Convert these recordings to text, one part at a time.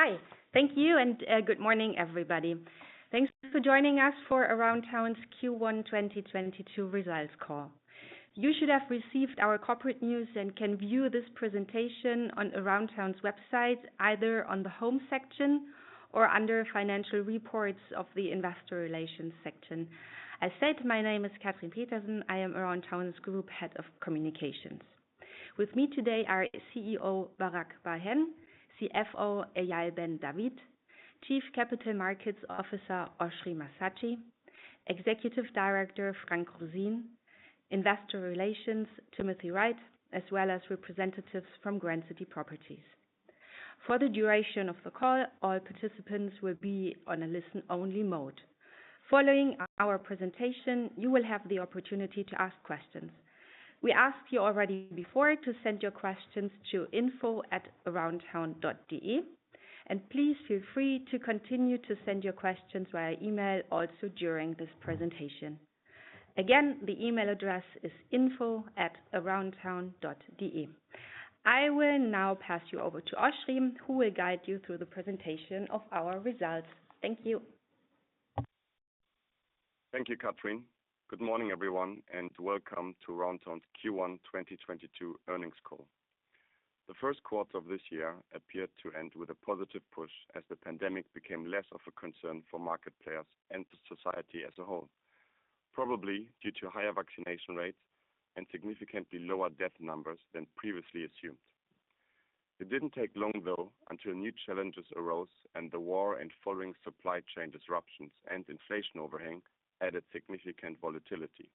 Hi. Thank you and good morning, everybody. Thanks for joining us for Aroundtown's Q1 2022 Results Call. You should have received our corporate news and can view this presentation on Aroundtown's website, either on the home section or under financial reports of the investor relations section. As said, my name is Catherine Peterson. I am Aroundtown's Group Head of Communications. With me today are CEO Barak Bar-Hen, CFO Eyal Ben David, Chief Capital Markets Officer Oschrie Massatschi, Executive Director Frank Roseen, Investor Relations Timothy Wright, as well as representatives from Grand City Properties. For the duration of the call, all participants will be on a listen-only mode. Following our presentation, you will have the opportunity to ask questions. We asked you already before to send your questions to info@aroundtown.de, and please feel free to continue to send your questions via email also during this presentation. Again, the email address is info@aroundtown.de. I will now pass you over to Oschrie, who will guide you through the presentation of our results. Thank you. Thank you, Catherine. Good morning, everyone, and welcome to Aroundtown's Q1 2022 earnings call. The Q1 of this year appeared to end with a positive push as the pandemic became less of a concern for market players and to society as a whole, probably due to higher vaccination rates and significantly lower death numbers than previously assumed. It didn't take long, though, until new challenges arose and the war and following supply chain disruptions and inflation overhang added significant volatility.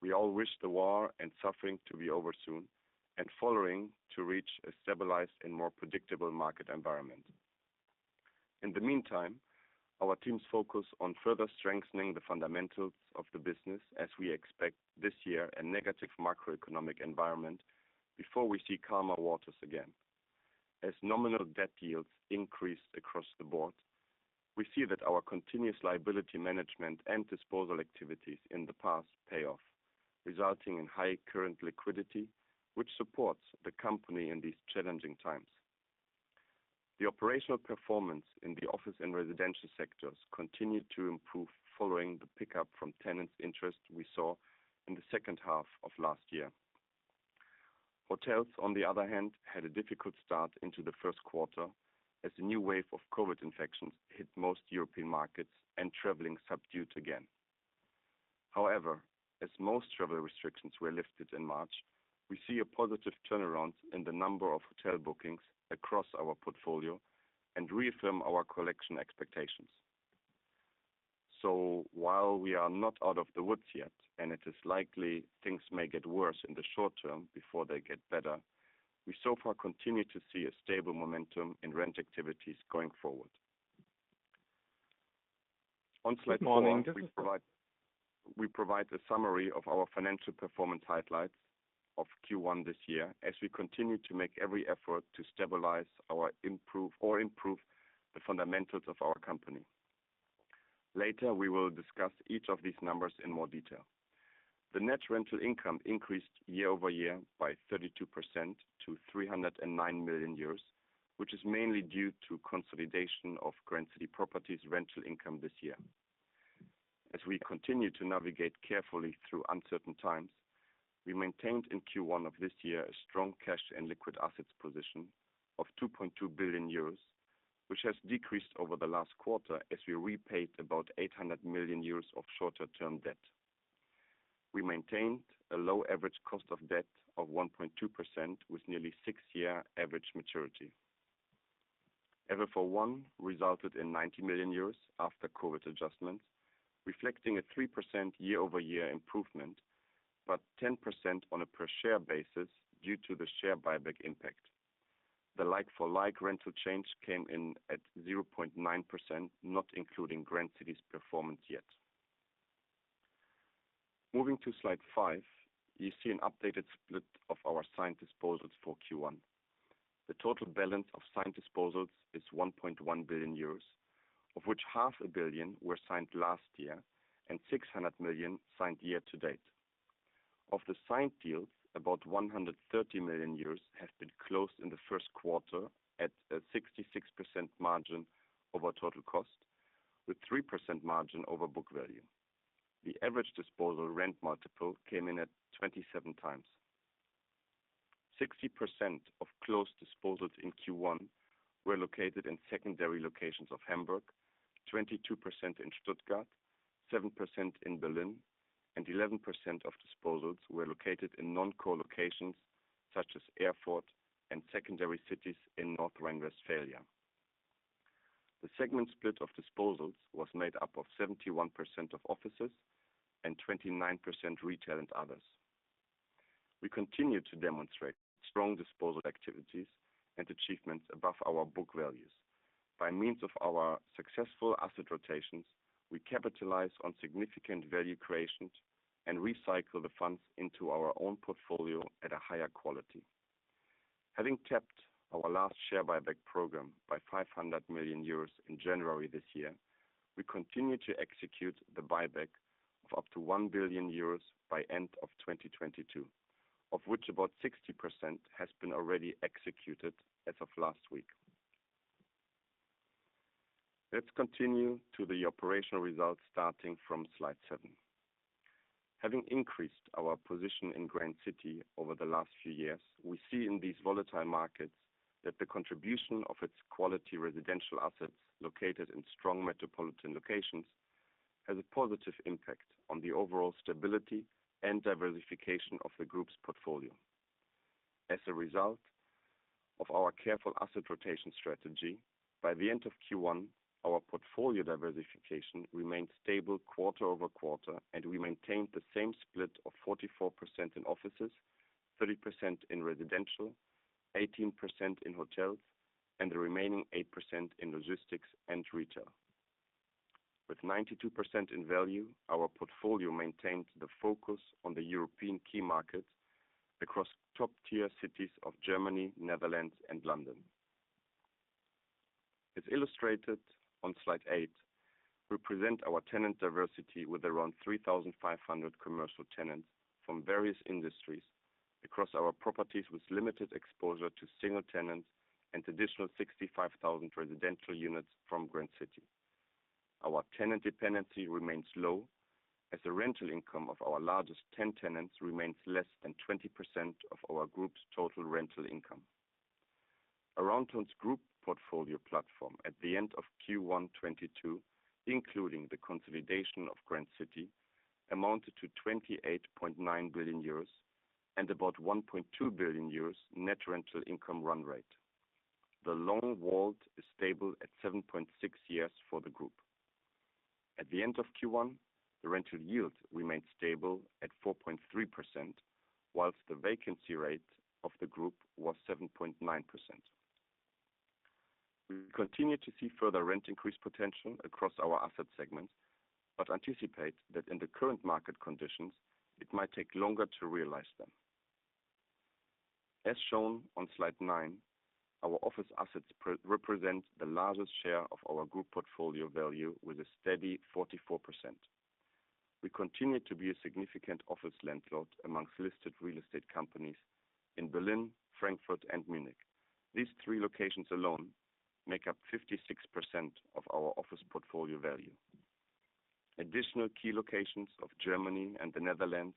We all wish the war and suffering to be over soon and following to reach a stabilized and more predictable market environment. In the meantime, our teams focus on further strengthening the fundamentals of the business as we expect this year a negative macroeconomic environment before we see calmer waters again. As nominal debt yields increase across the board, we see that our continuous liability management and disposal activities in the past pay off, resulting in high current liquidity, which supports the company in these challenging times. The operational performance in the office and residential sectors continued to improve following the pickup from tenants' interest we saw in the second half of last year. Hotels, on the other hand, had a difficult start into the Q1 as a new wave of COVID infections hit most European markets and travel subdued again. However, as most travel restrictions were lifted in March, we see a positive turnaround in the number of hotel bookings across our portfolio and reaffirm our collection expectations. While we are not out of the woods yet, and it is likely things may get worse in the short term before they get better, we so far continue to see a stable momentum in rental activities going forward. On slide four, we provide a summary of our financial performance highlights of Q1 this year as we continue to make every effort to stabilize and improve the fundamentals of our company. Later, we will discuss each of these numbers in more detail. The net rental income increased year-over-year by 32% to 309 million euros, which is mainly due to consolidation of Grand City Properties rental income this year. As we continue to navigate carefully through uncertain times, we maintained in Q1 of this year a strong cash and liquid assets position of 2.2 billion euros, which has decreased over the last quarter as we repaid about 800 million euros of short-term debt. We maintained a low average cost of debt of 1.2% with nearly six-year average maturity. FFO I Q1 resulted in 90 million euros after COVID adjustments, reflecting a 3% year-over-year improvement, but 10% on a per share basis due to the share buyback impact. The like-for-like rental change came in at 0.9%, not including Grand City's performance yet. Moving to slide five, you see an updated split of our signed disposals for Q1. The total balance of signed disposals is 1.1 billion euros, of which half a billion were signed last year and 600 million signed year to date. Of the signed deals, about 130 million euros have been closed in the Q1 at a 66% margin over total cost, with 3% margin over book value. The average disposal rent multiple came in at 27x. 60% of closed disposals in Q1 were located in secondary locations of Hamburg, 22% in Stuttgart, 7% in Berlin, and 11% of disposals were located in non-core locations such as airport and secondary cities in North Rhine-Westphalia. The segment split of disposals was made up of 71% of offices and 29% retail and others. We continue to demonstrate strong disposal activities and achievements above our book values. By means of our successful asset rotations, we capitalize on significant value creations and recycle the funds into our own portfolio at a higher quality. Having kept our last share buyback program of 500 million euros in January this year, we continue to execute the buyback of up to 1 billion euros by end of 2022. Of which about 60% has been already executed as of last week. Let's continue to the operational results starting from slide seven. Having increased our position in Grand City over the last few years, we see in these volatile markets that the contribution of its quality residential assets located in strong metropolitan locations has a positive impact on the overall stability and diversification of the group's portfolio. As a result of our careful asset rotation strategy, by the end of Q1, our portfolio diversification remained stable quarter-over-quarter and we maintained the same split of 44% in offices, 30% in residential, 18% in hotels, and the remaining 8% in logistics and retail. With 92% in value, our portfolio maintained the focus on the European key markets across top tier cities of Germany, Netherlands and London. It's illustrated on slide eight. We present our tenant diversity with around 3,500 commercial tenants from various industries across our properties, with limited exposure to single tenants and additional 65,000 residential units from Grand City. Our tenant dependency remains low as the rental income of our largest 10 tenants remains less than 20% of our group's total rental income. Aroundtown's group portfolio platform at the end of Q1 2022, including the consolidation of Grand City, amounted to 28.9 billion euros and about 1.2 billion euros net rental income run rate. The WALT is stable at 7.6 years for the group. At the end of Q1, the rental yield remained stable at 4.3%, while the vacancy rate of the group was 7.9%. We continue to see further rent increase potential across our asset segments, but anticipate that in the current market conditions it might take longer to realize them. As shown on slide nine, our office assets represent the largest share of our group portfolio value with a steady 44%. We continue to be a significant office landlord among listed real estate companies in Berlin, Frankfurt, and Munich. These three locations alone make up 56% of our office portfolio value. Additional key locations of Germany and the Netherlands,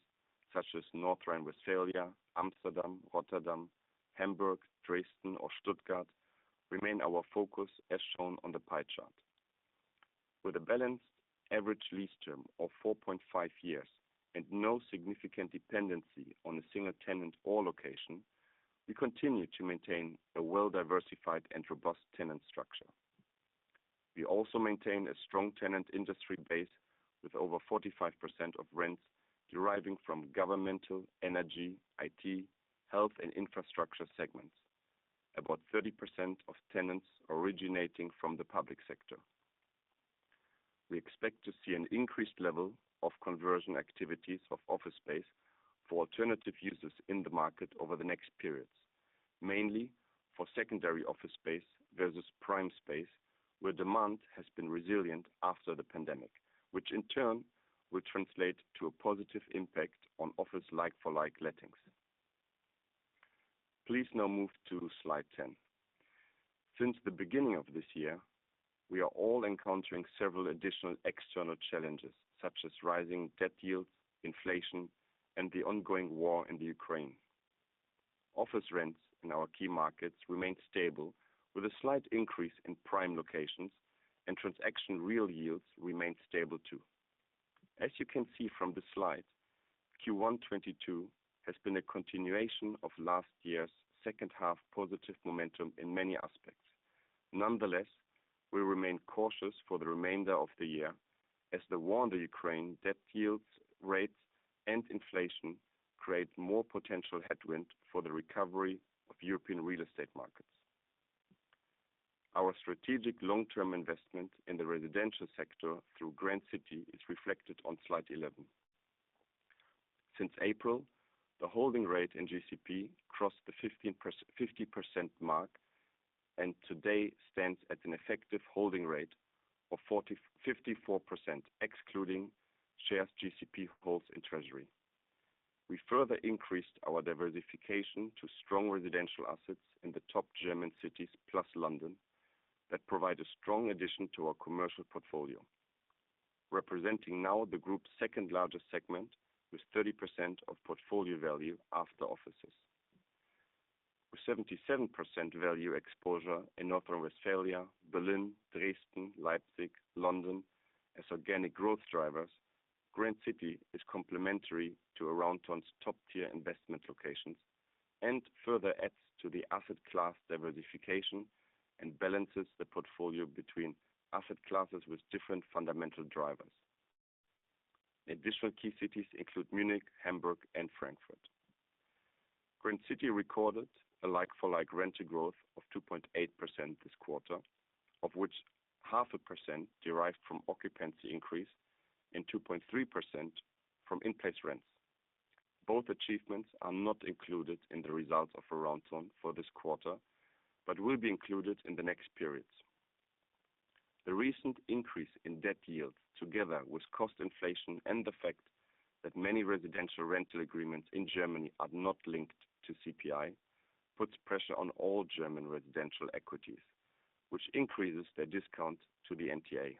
such as North Rhine-Westphalia, Amsterdam, Rotterdam, Hamburg, Dresden or Stuttgart, remain our focus, as shown on the pie chart. With a balanced average lease term of 4.5 years and no significant dependency on a single tenant or location, we continue to maintain a well diversified and robust tenant structure. We also maintain a strong tenant industry base with over 45% of rents deriving from governmental energy, IT, health, and infrastructure segments. About 30% of tenants originating from the public sector. We expect to see an increased level of conversion activities of office space for alternative users in the market over the next periods, mainly for secondary office space versus prime space, where demand has been resilient after the pandemic. Which in turn will translate to a positive impact on office like-for-like lettings. Please now move to slide 10. Since the beginning of this year, we are all encountering several additional external challenges such as rising debt yields, inflation, and the ongoing war in the Ukraine. Office rents in our key markets remain stable with a slight increase in prime locations and transaction real yields remain stable too. As you can see from the slide, Q1 2022 has been a continuation of last year's second half positive momentum in many aspects. Nonetheless, we remain cautious for the remainder of the year as the war in the Ukraine, debt yields, rates and inflation create more potential headwind for the recovery of European real estate markets. Our strategic long term investment in the residential sector through Grand City is reflected on slide 11. Since April, the holding rate in GCP crossed the 50% mark and today stands at an effective holding rate of 54%, excluding shares GCP holds in treasury. We further increased our diversification to strong residential assets in the top German cities plus London that provide a strong addition to our commercial portfolio. Representing now the group's second largest segment with 30% of portfolio value after offices. With 77% value exposure in North Rhine-Westphalia, Berlin, Dresden, Leipzig, London as organic growth drivers, Grand City is complementary to Aroundtown's top tier investment locations and further adds to the asset class diversification and balances the portfolio between asset classes with different fundamental drivers. Additional key cities include Munich, Hamburg, and Frankfurt. Grand City recorded a like-for-like rental growth of 2.8% this quarter, of which 0.5% derived from occupancy increase and 2.3% from in-place rents. Both achievements are not included in the results of Aroundtown for this quarter, but will be included in the next periods. The recent increase in debt yield, together with cost inflation and the fact that many residential rental agreements in Germany are not linked to CPI, puts pressure on all German residential equities, which increases their discount to the NTA.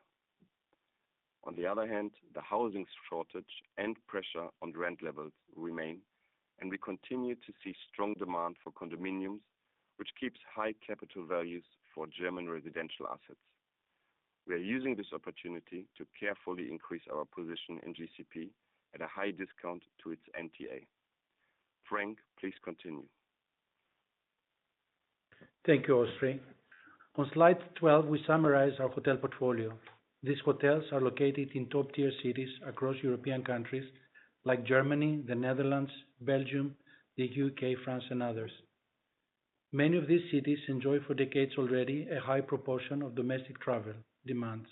On the other hand, the housing shortage and pressure on rent levels remain, and we continue to see strong demand for condominiums, which keeps high capital values for German residential assets. We are using this opportunity to carefully increase our position in GCP at a high discount to its NTA. Frank, please continue. Thank you, Oschrie. On slide 12, we summarize our hotel portfolio. These hotels are located in top-tier cities across European countries like Germany, the Netherlands, Belgium, the UK, France, and others. Many of these cities enjoy for decades already a high proportion of domestic travel demands.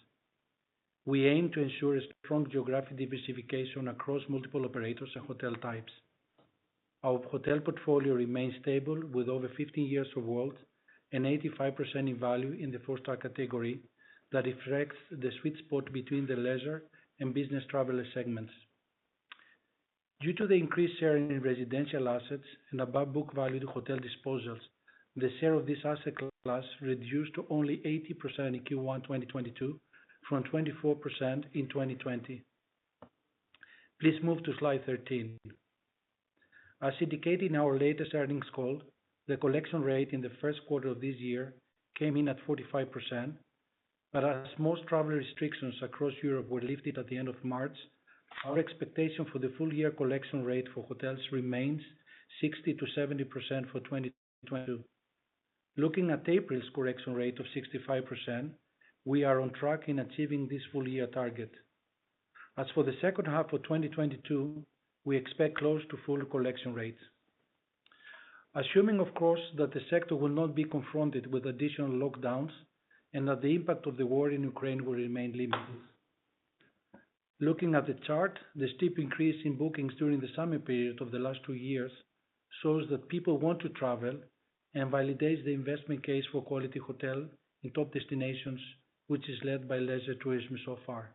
We aim to ensure a strong geographic diversification across multiple operators and hotel types. Our hotel portfolio remains stable with over 50 years of WALT and 85% in value in the four-star category that reflects the sweet spot between the leisure and business traveler segments. Due to the increased share in residential assets and above book value hotel disposals, the share of this asset class reduced to only 80% in Q1 2022 from 24% in 2020. Please move to slide 13. As indicated in our latest earnings call, the collection rate in the Q1 of this year came in at 45%. As most travel restrictions across Europe were lifted at the end of March, our expectation for the full year collection rate for hotels remains 60%-70% for 2022. Looking at April's collection rate of 65%, we are on track in achieving this full year target. As for the second half of 2022, we expect close to full collection rates. Assuming, of course, that the sector will not be confronted with additional lockdowns and that the impact of the war in Ukraine will remain limited. Looking at the chart, the steep increase in bookings during the summer period of the last two years shows that people want to travel and validates the investment case for quality hotel in top destinations, which is led by leisure tourism so far.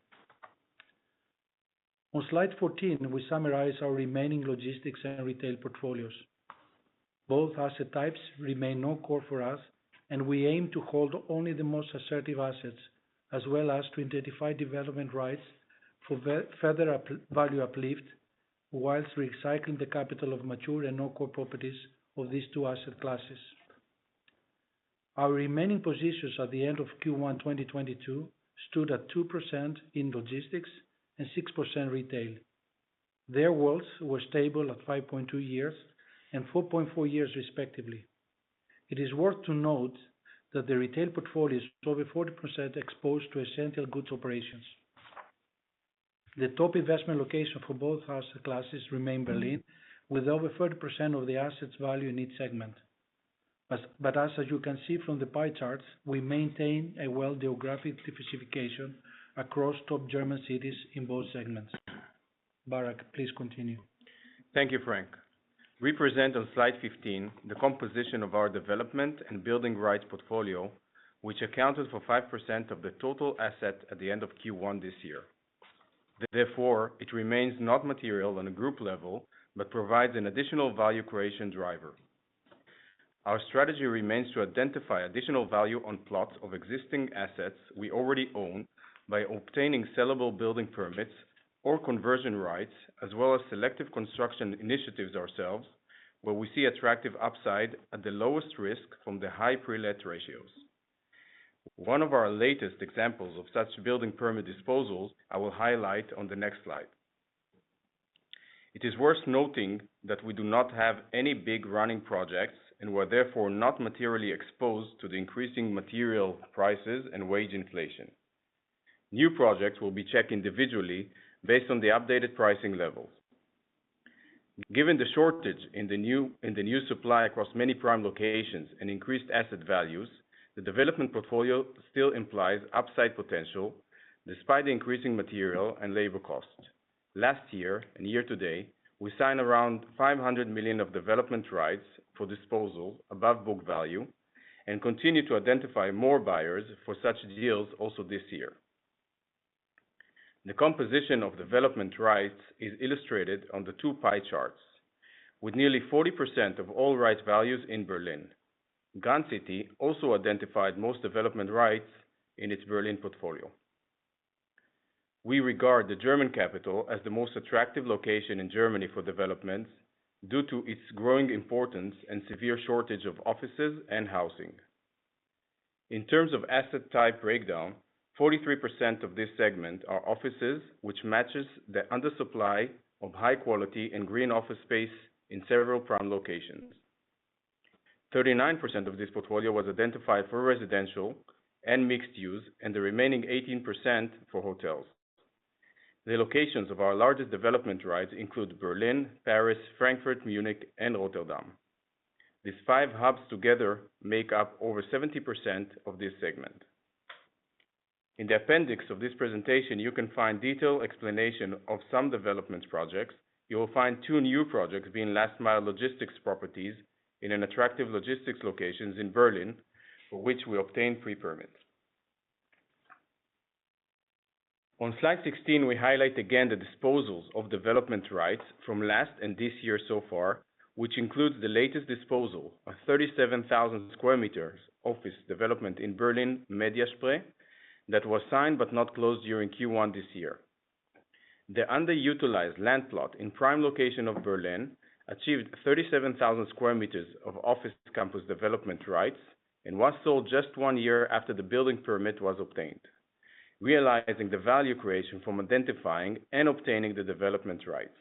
On slide 14, we summarize our remaining logistics and retail portfolios. Both asset types remain non-core for us, and we aim to hold only the best assets as well as to identify development rights for further value uplift while recycling the capital of mature and non-core properties of these two asset classes. Our remaining positions at the end of Q1 2022 stood at 2% in logistics and 6% retail. Their WALTs were stable at 5.2 years and 4.4 years, respectively. It is worth to note that the retail portfolio is over 40% exposed to essential goods operations. The top investment location for both asset classes remain Berlin, with over 30% of the assets value in each segment. As you can see from the pie charts, we maintain a well geographic diversification across top German cities in both segments. Barak, please continue. Thank you, Frank. We present on slide 15 the composition of our development and building rights portfolio, which accounted for 5% of the total asset at the end of Q1 this year. Therefore, it remains not material on a group level, but provides an additional value creation driver. Our strategy remains to identify additional value on plots of existing assets we already own by obtaining sellable building permits or conversion rights, as well as selective construction initiatives ourselves, where we see attractive upside at the lowest risk from the high pre-let ratios. One of our latest examples of such building permit disposals, I will highlight on the next slide. It is worth noting that we do not have any big running projects and we're therefore not materially exposed to the increasing material prices and wage inflation. New projects will be checked individually based on the updated pricing levels. Given the shortage in the new supply across many prime locations and increased asset values, the development portfolio still implies upside potential despite the increasing material and labor cost. Last year and year to date, we signed around 500 million of development rights for disposals above book value and continue to identify more buyers for such deals also this year. The composition of development rights is illustrated on the two pie charts. With nearly 40% of all rights values in Berlin. Grand City also identified most development rights in its Berlin portfolio. We regard the German capital as the most attractive location in Germany for developments due to its growing importance and severe shortage of offices and housing. In terms of asset type breakdown, 43% of this segment are offices, which matches the under supply of high quality and green office space in several prime locations. 39% of this portfolio was identified for residential and mixed use, and the remaining 18% for hotels. The locations of our largest development rights include Berlin, Paris, Frankfurt, Munich, and Rotterdam. These five hubs together make up over 70% of this segment. In the appendix of this presentation, you can find detailed explanation of some development projects. You will find two new projects being last-mile logistics properties in attractive logistics locations in Berlin, for which we obtain pre-permits. On slide 16, we highlight again the disposals of development rights from last and this year so far, which includes the latest disposal of 37,000 square meters office development in Berlin Mediaspree that was signed but not closed during Q1 this year. The underutilized land plot in prime location of Berlin achieved 37,000 square meters of office campus development rights and was sold just one year after the building permit was obtained. Realizing the value creation from identifying and obtaining the development rights.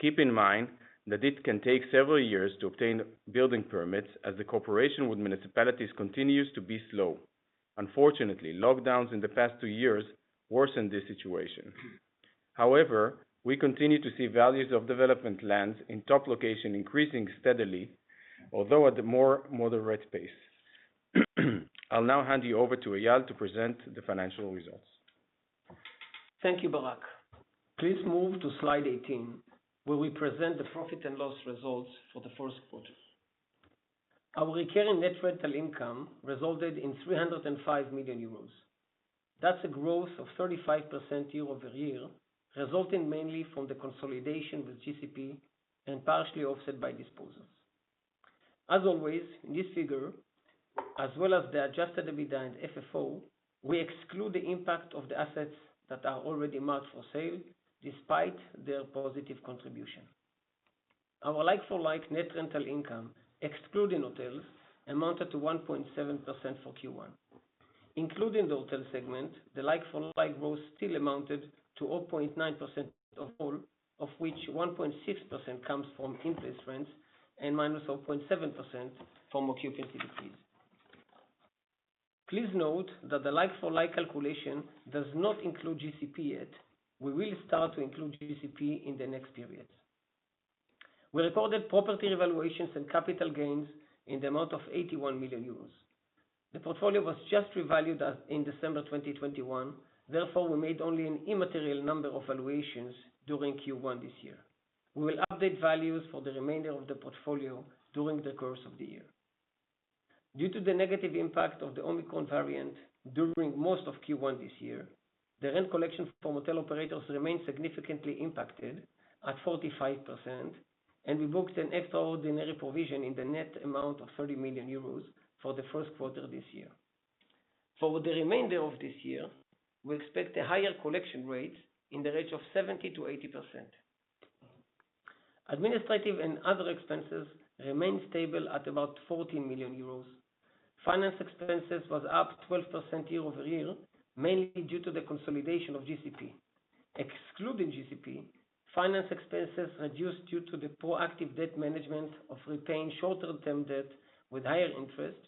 Keep in mind that it can take several years to obtain building permits as the cooperation with municipalities continues to be slow. Unfortunately, lockdowns in the past two years worsened this situation. However, we continue to see values of development lands in top location increasing steadily, although at a more moderate pace. I'll now hand you over to Eyal to present the financial results. Thank you, Barak Bar-Hen. Please move to slide 18, where we present the profit and loss results for the Q1. Our recurring net rental income resulted in 305 million euros. That's a growth of 35% year-over-year, resulting mainly from the consolidation with GCP and partially offset by disposals. As always, this figure, as well as the adjusted EBITDA and FFO, we exclude the impact of the assets that are already marked for sale despite their positive contribution. Our like-for-like net rental income, excluding hotels, amounted to 1.7% for Q1. Including the hotel segment, the like-for-like growth still amounted to 0.9% overall, of which 1.6% comes from index rents and -0.7% from occupancy decrease. Please note that the like-for-like calculation does not include GCP yet. We will start to include GCP in the next period. We recorded property evaluations and capital gains in the amount of 81 million euros. The portfolio was just revalued in December 2021. Therefore, we made only an immaterial number of valuations during Q1 this year. We will update values for the remainder of the portfolio during the course of the year. Due to the negative impact of the Omicron variant during most of Q1 this year, the rent collection from hotel operators remained significantly impacted at 45%, and we booked an extraordinary provision in the net amount of 30 million euros for the Q1 this year. For the remainder of this year, we expect a higher collection rate in the range of 70%-80%. Administrative and other expenses remain stable at about 14 million euros. Finance expenses was up 12% year-over-year, mainly due to the consolidation of GCP. Excluding GCP, finance expenses reduced due to the proactive debt management of repaying shorter-term debt with higher interest,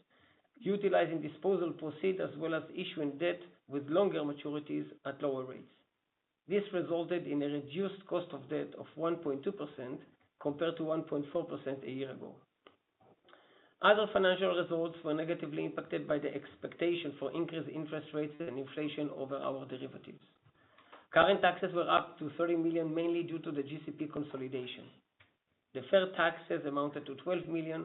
utilizing disposal proceeds as well as issuing debt with longer maturities at lower rates. This resulted in a reduced cost of debt of 1.2% compared to 1.4% a year ago. Other financial results were negatively impacted by the expectation for increased interest rates and inflation over our derivatives. Current taxes were up to 30 million, mainly due to the GCP consolidation. The deferred taxes amounted to 12 million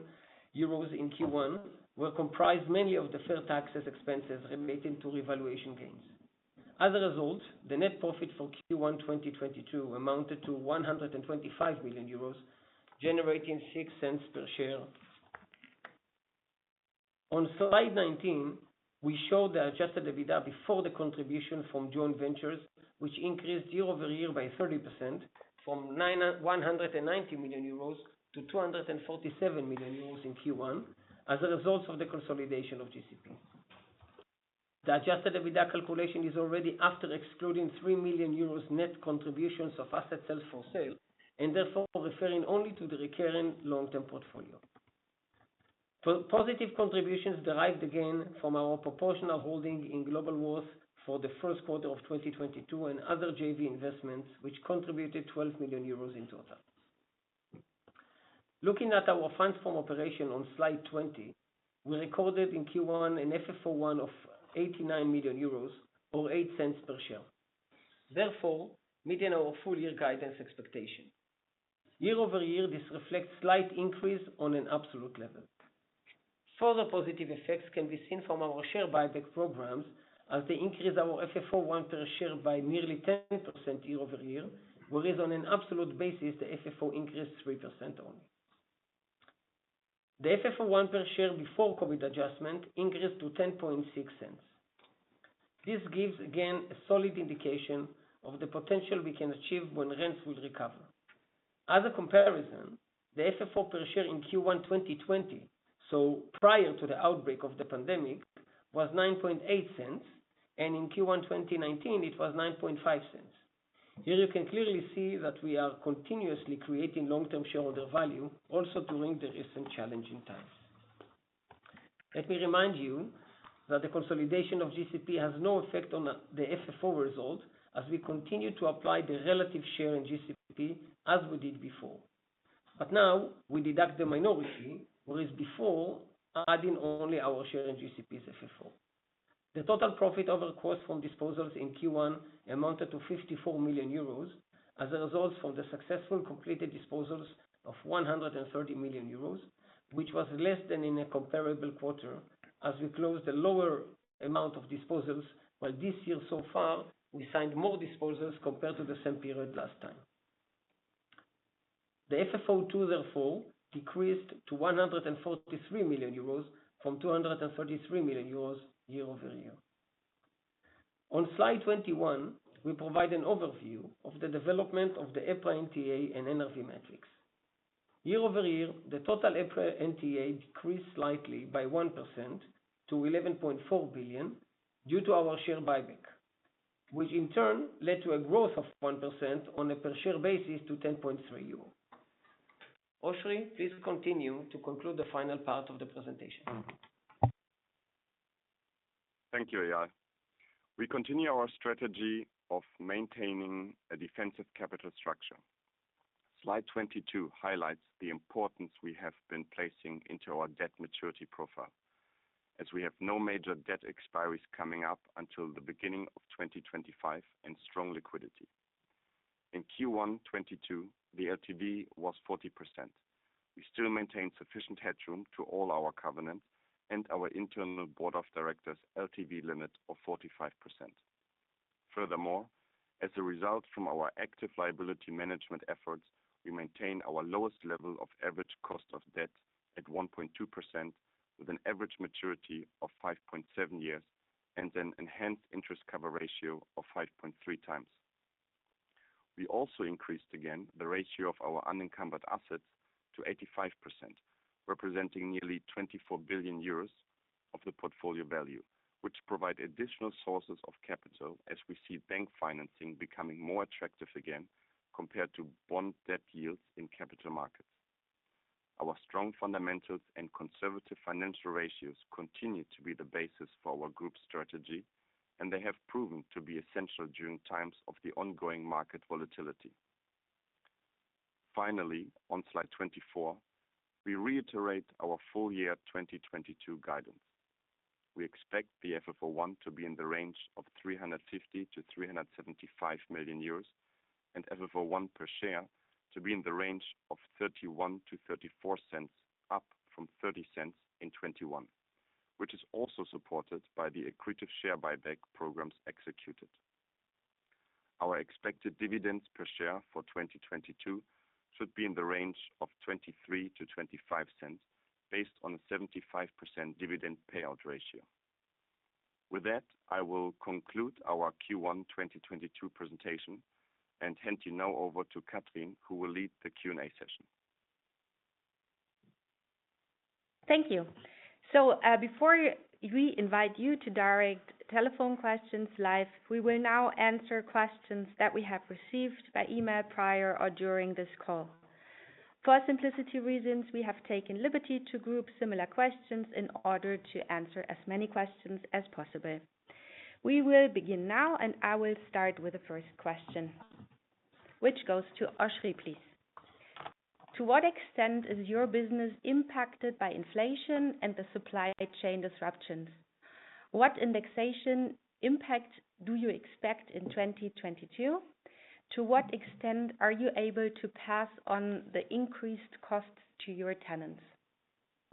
euros in Q1 2022, were comprised mainly of the deferred tax expenses relating to revaluation gains. As a result, the net profit for Q1 2022 amounted to 125 million euros, generating 0.06 per share. On slide 19, we show the adjusted EBITDA before the contribution from joint ventures, which increased year-over-year by 30% from 190 million euros to 247 million euros in Q1 as a result of the consolidation of GCP. The adjusted EBITDA calculation is already after excluding 3 million euros net contributions from assets held for sale, and therefore referring only to the recurring long-term portfolio. Positive contributions derived again from our proportional holding in Globalworth for the Q1 of 2022 and other JV investments, which contributed 12 million euros in total. Looking at our Funds from Operations on slide 20, we recorded in Q1 an FFO I of 89 million euros or 0.08 per share, therefore meeting our full-year guidance expectation. Year-over-year, this reflects slight increase on an absolute level. Further positive effects can be seen from our share buyback programs as they increase our FFO I per share by nearly 10% year-over-year. Whereas on an absolute basis, the FFO increased 3% only. The FFO I per share before COVID adjustment increased to 0.106. This gives again a solid indication of the potential we can achieve when rents will recover. As a comparison, the FFO per share in Q1 2020, so prior to the outbreak of the pandemic, was 0.098, and in Q1 2019, it was 0.095. Here you can clearly see that we are continuously creating long-term shareholder value also during the recent challenging times. Let me remind you that the consolidation of GCP has no effect on the FFO result as we continue to apply the relative share in GCP as we did before. Now we deduct the minority, whereas before adding only our share in GCP's FFO. The total profit over costs from disposals in Q1 amounted to 54 million euros as a result from the successful completed disposals of 130 million euros, which was less than in a comparable quarter as we closed a lower amount of disposals. While this year so far, we signed more disposals compared to the same period last time. The FFO II therefore decreased to 143 million euros from 233 million euros year-over-year. On slide 21, we provide an overview of the development of the EPRA NTA and NRV metrics. Year-over-year, the total EPRA NTA decreased slightly by 1% to 11.4 billion due to our share buyback, which in turn led to a growth of 1% on a per share basis to 10.3 euro. Oschrie, please continue to conclude the final part of the presentation. Thank you, Eyal. We continue our strategy of maintaining a defensive capital structure. Slide 22 highlights the importance we have been placing into our debt maturity profile, as we have no major debt expiries coming up until the beginning of 2025 and strong liquidity. In Q1 2022, the LTV was 40%. We still maintain sufficient headroom to all our covenants and our internal board of directors LTV limit of 45%. Furthermore, as a result from our active liability management efforts, we maintain our lowest level of average cost of debt at 1.2% with an average maturity of 5.7 years, and an enhanced interest cover ratio of 5.3x. We also increased again the ratio of our unencumbered assets to 85%, representing nearly 24 billion euros of the portfolio value, which provide additional sources of capital as we see bank financing becoming more attractive again compared to bond debt yields in capital markets. Our strong fundamentals and conservative financial ratios continue to be the basis for our group strategy, and they have proven to be essential during times of the ongoing market volatility. Finally, on slide 24, we reiterate our full year 2022 guidance. We expect the FFO l to be in the range of 350 million-375 million euros and FFO I per share to be in the range of 0.31-0.34, up from 0.30 in 2021, which is also supported by the accretive share buyback programs executed. Our expected dividends per share for 2022 should be in the range of 0.23-0.25 based on a 75% dividend payout ratio. With that, I will conclude our Q1 2022 presentation and hand you now over to Catherine, who will lead the Q&A session. Thank you. Before we invite you to direct telephone questions live, we will now answer questions that we have received by email prior or during this call. For simplicity reasons, we have taken liberty to group similar questions in order to answer as many questions as possible. We will begin now, and I will start with the first question, which goes to Oschrie, please. To what extent is your business impacted by inflation and the supply chain disruptions? What indexation impact do you expect in 2022? To what extent are you able to pass on the increased costs to your tenants?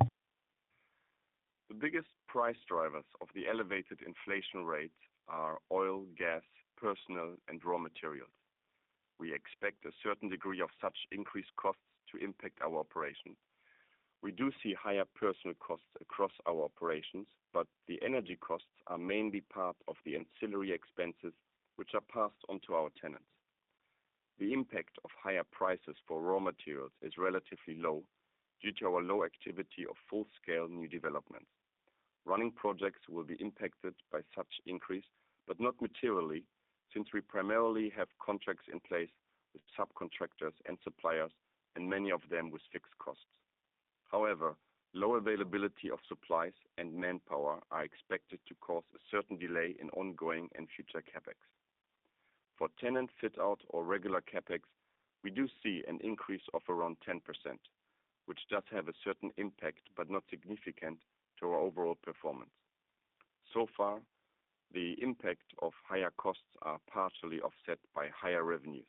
The biggest price drivers of the elevated inflation rate are oil, gas, personnel, and raw materials. We expect a certain degree of such increased costs to impact our operation. We do see higher personnel costs across our operations, but the energy costs are mainly part of the ancillary expenses which are passed on to our tenants. The impact of higher prices for raw materials is relatively low due to our low activity of full-scale new developments. Running projects will be impacted by such increase, but not materially, since we primarily have contracts in place with subcontractors and suppliers, and many of them with fixed costs. However, low availability of supplies and manpower are expected to cause a certain delay in ongoing and future CapEx. For tenant fit out or regular CapEx, we do see an increase of around 10%, which does have a certain impact but not significant to our overall performance. Far, the impact of higher costs are partially offset by higher revenues.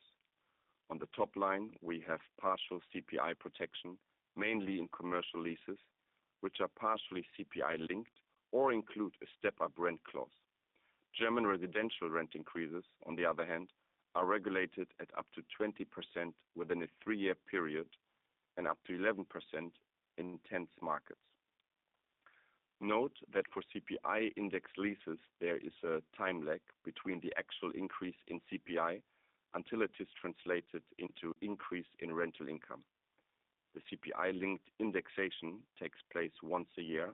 On the top line, we have partial CPI protection, mainly in commercial leases, which are partially CPI linked or include a step-up rent clause. German residential rent increases, on the other hand, are regulated at up to 20% within a three-year period and up to 11% in tense markets. Note that for CPI index leases, there is a time lag between the actual increase in CPI until it is translated into increase in rental income. The CPI-linked indexation takes place once a year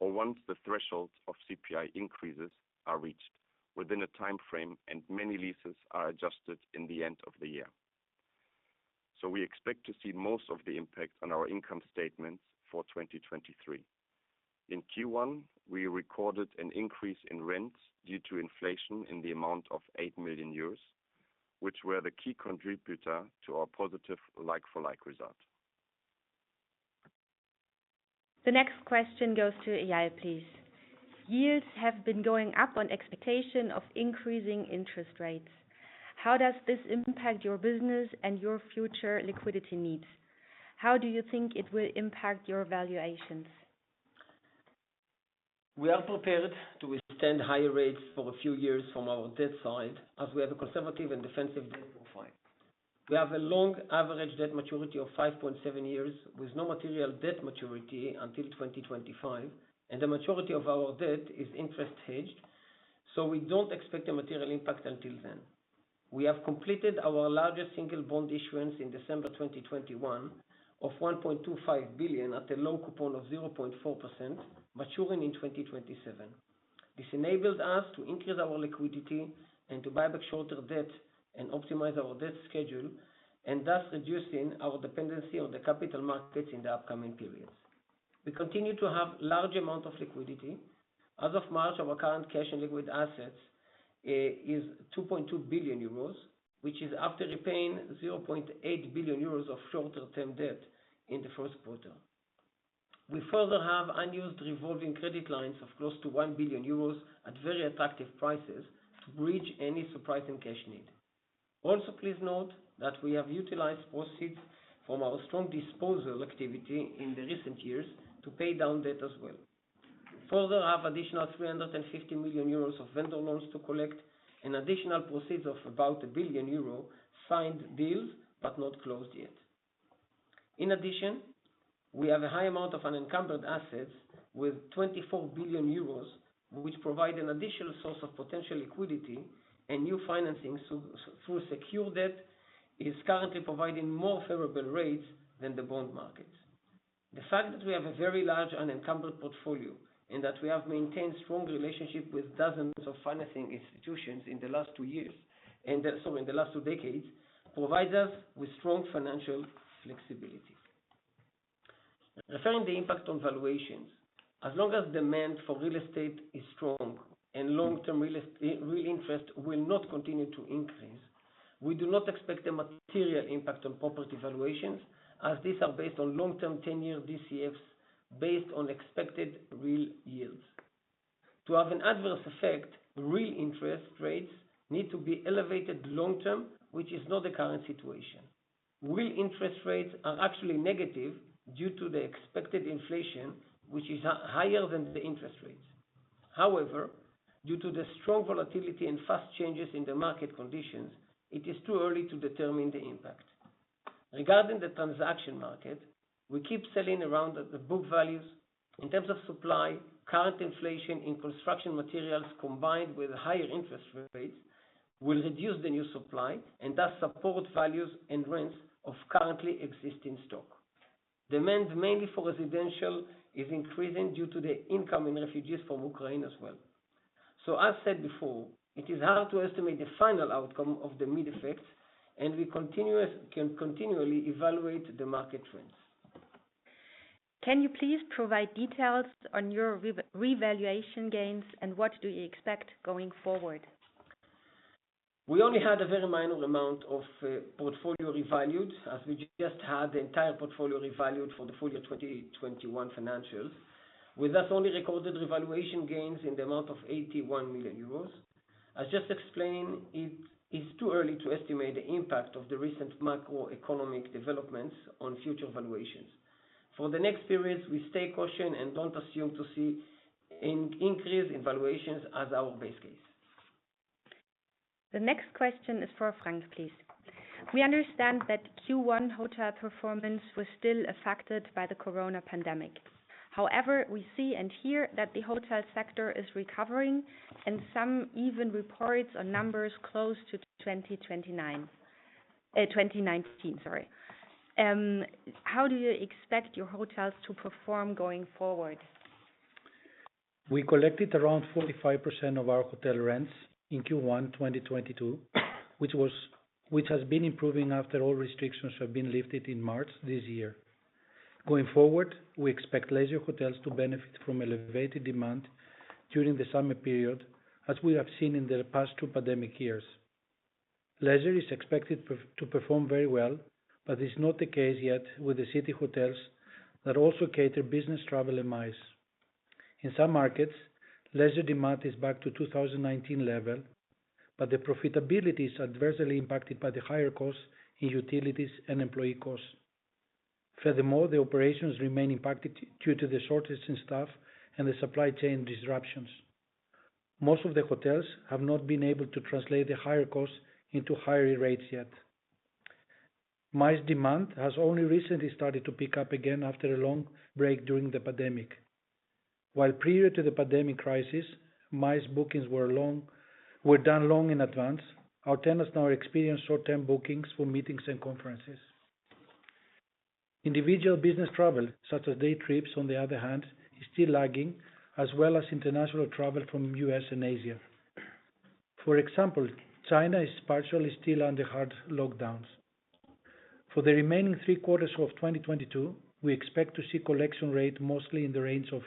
or once the threshold of CPI increases are reached within a timeframe, and many leases are adjusted in the end of the year. We expect to see most of the impact on our income statements for 2023. In Q1, we recorded an increase in rents due to inflation in the amount of 8 million euros, which were the key contributor to our positive like-for-like result. The next question goes to Eyal, please. Yields have been going up on expectation of increasing interest rates. How does this impact your business and your future liquidity needs? How do you think it will impact your valuations? We are prepared to withstand higher rates for a few years from our debt side, as we have a conservative and defensive debt profile. We have a long average debt maturity of 5.7 years, with no material debt maturity until 2025, and the majority of our debt is interest hedged, so we don't expect a material impact until then. We have completed our largest single bond issuance in December 2021 of 1.25 billion at a low coupon of 0.4% maturing in 2027. This enabled us to increase our liquidity and to buy back shorter debt and optimize our debt schedule, and thus reducing our dependency on the capital markets in the upcoming periods. We continue to have large amount of liquidity. As of March, our current cash and liquid assets is 2.2 billion euros, which is after repaying 0.8 billion euros of shorter term debt in the Q1. We further have unused revolving credit lines of close to 1 billion euros at very attractive prices to bridge any surprising cash need. Also, please note that we have utilized proceeds from our strong disposal activity in the recent years to pay down debt as well. We further have additional 350 million euros of vendor loans to collect additional proceeds of about 1 billion euro signed deals, but not closed yet. In addition, we have a high amount of unencumbered assets with 24 billion euros, which provide an additional source of potential liquidity and new financings through secure debt is currently providing more favorable rates than the bond market. The fact that we have a very large unencumbered portfolio and that we have maintained strong relationship with dozens of financing institutions in the last two years, and so in the last two decades, provides us with strong financial flexibility. Referring to the impact on valuations. As long as demand for real estate is strong and long-term real interest will not continue to increase, we do not expect a material impact on property valuations, as these are based on long-term 10-year DCFs based on expected real yields. To have an adverse effect, real interest rates need to be elevated long-term, which is not the current situation. Real interest rates are actually negative due to the expected inflation, which is higher than the interest rates. However, due to the strong volatility and fast changes in the market conditions, it is too early to determine the impact. Regarding the transaction market, we keep selling around at the book values. In terms of supply, current inflation in construction materials combined with higher interest rates will reduce the new supply and thus support values and rents of currently existing stock. Demand, mainly for residential, is increasing due to the incoming refugees from Ukraine as well. As said before, it is hard to estimate the final outcome of the mixed effects, and we can continually evaluate the market trends. Can you please provide details on your revaluation gains, and what do you expect going forward? We only had a very minor amount of portfolio revalued, as we just had the entire portfolio revalued for the full year 2021 financials. We thus only recorded revaluation gains in the amount of 81 million euros. I just explained it is too early to estimate the impact of the recent macroeconomic developments on future valuations. For the next periods, we stay cautious and don't assume to see increase in valuations as our base case. The next question is for Frank, please. We understand that Q1 hotel performance was still affected by the corona pandemic. However, we see and hear that the hotel sector is recovering and some even reports on numbers close to 2019, sorry. How do you expect your hotels to perform going forward? We collected around 45% of our hotel rents in Q1 2022, which has been improving after all restrictions have been lifted in March this year. Going forward, we expect leisure hotels to benefit from elevated demand during the summer period, as we have seen in the past two pandemic years. Leisure is expected to perform very well, but is not the case yet with the city hotels that also cater business travel and MICE. In some markets, leisure demand is back to 2019 level, but the profitability is adversely impacted by the higher costs in utilities and employee costs. Furthermore, the operations remain impacted due to the shortage in staff and the supply chain disruptions. Most of the hotels have not been able to translate the higher costs into higher rates yet. MICE demand has only recently started to pick up again after a long break during the pandemic. While prior to the pandemic crisis, MICE bookings were done long in advance, our tenants now experience short-term bookings for meetings and conferences. Individual business travel, such as day trips on the other hand, is still lagging, as well as international travel from US and Asia. For example, China is partially still under hard lockdowns. For the remaining three quarters of 2022, we expect to see collection rate mostly in the range of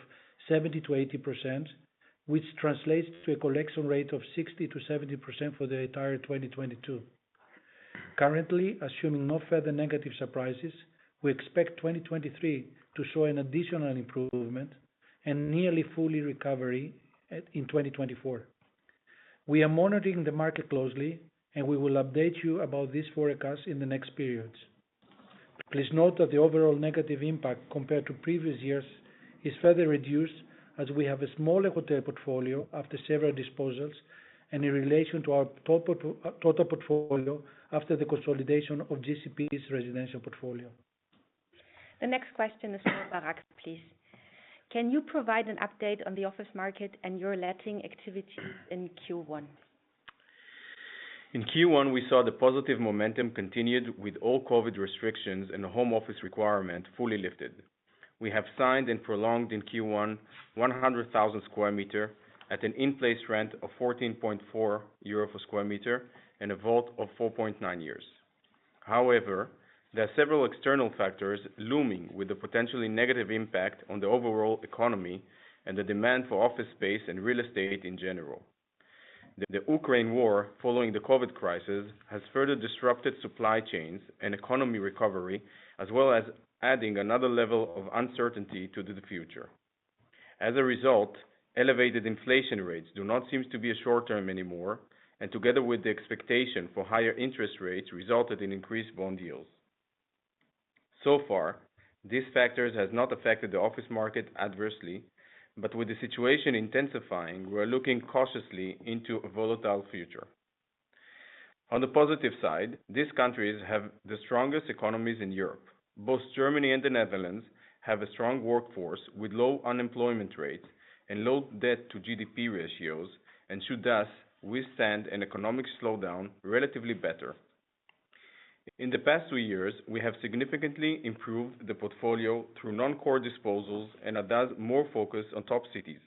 70%-80%, which translates to a collection rate of 60%-70% for the entire 2022. Currently, assuming no further negative surprises, we expect 2023 to show an additional improvement and nearly full recovery in 2024. We are monitoring the market closely, and we will update you about these forecasts in the next periods. Please note that the overall negative impact compared to previous years is further reduced as we have a small hotel portfolio after several disposals and in relation to our total portfolio after the consolidation of GCP's residential portfolio. The next question is for Barak, please. Can you provide an update on the office market and your letting activities in Q1? In Q1, we saw the positive momentum continued with all COVID restrictions and the home office requirement fully lifted. We have signed and prolonged in Q1 100,000 square meters at an in-place rent of 14.4 euro per square meter and a WALT of 4.9 years. However, there are several external factors looming with the potentially negative impact on the overall economy and the demand for office space and real estate in general. The Ukraine war, following the COVID crisis, has further disrupted supply chains and economic recovery, as well as adding another level of uncertainty to the future. As a result, elevated inflation rates do not seem to be short-term anymore, and together with the expectation for higher interest rates, resulted in increased bond yields. So far, these factors has not affected the office market adversely, but with the situation intensifying, we're looking cautiously into a volatile future. On the positive side, these countries have the strongest economies in Europe. Both Germany and the Netherlands have a strong workforce with low unemployment rates and low debt to GDP ratios and should, thus, withstand an economic slowdown relatively better. In the past two years, we have significantly improved the portfolio through non-core disposals and are thus more focused on top cities,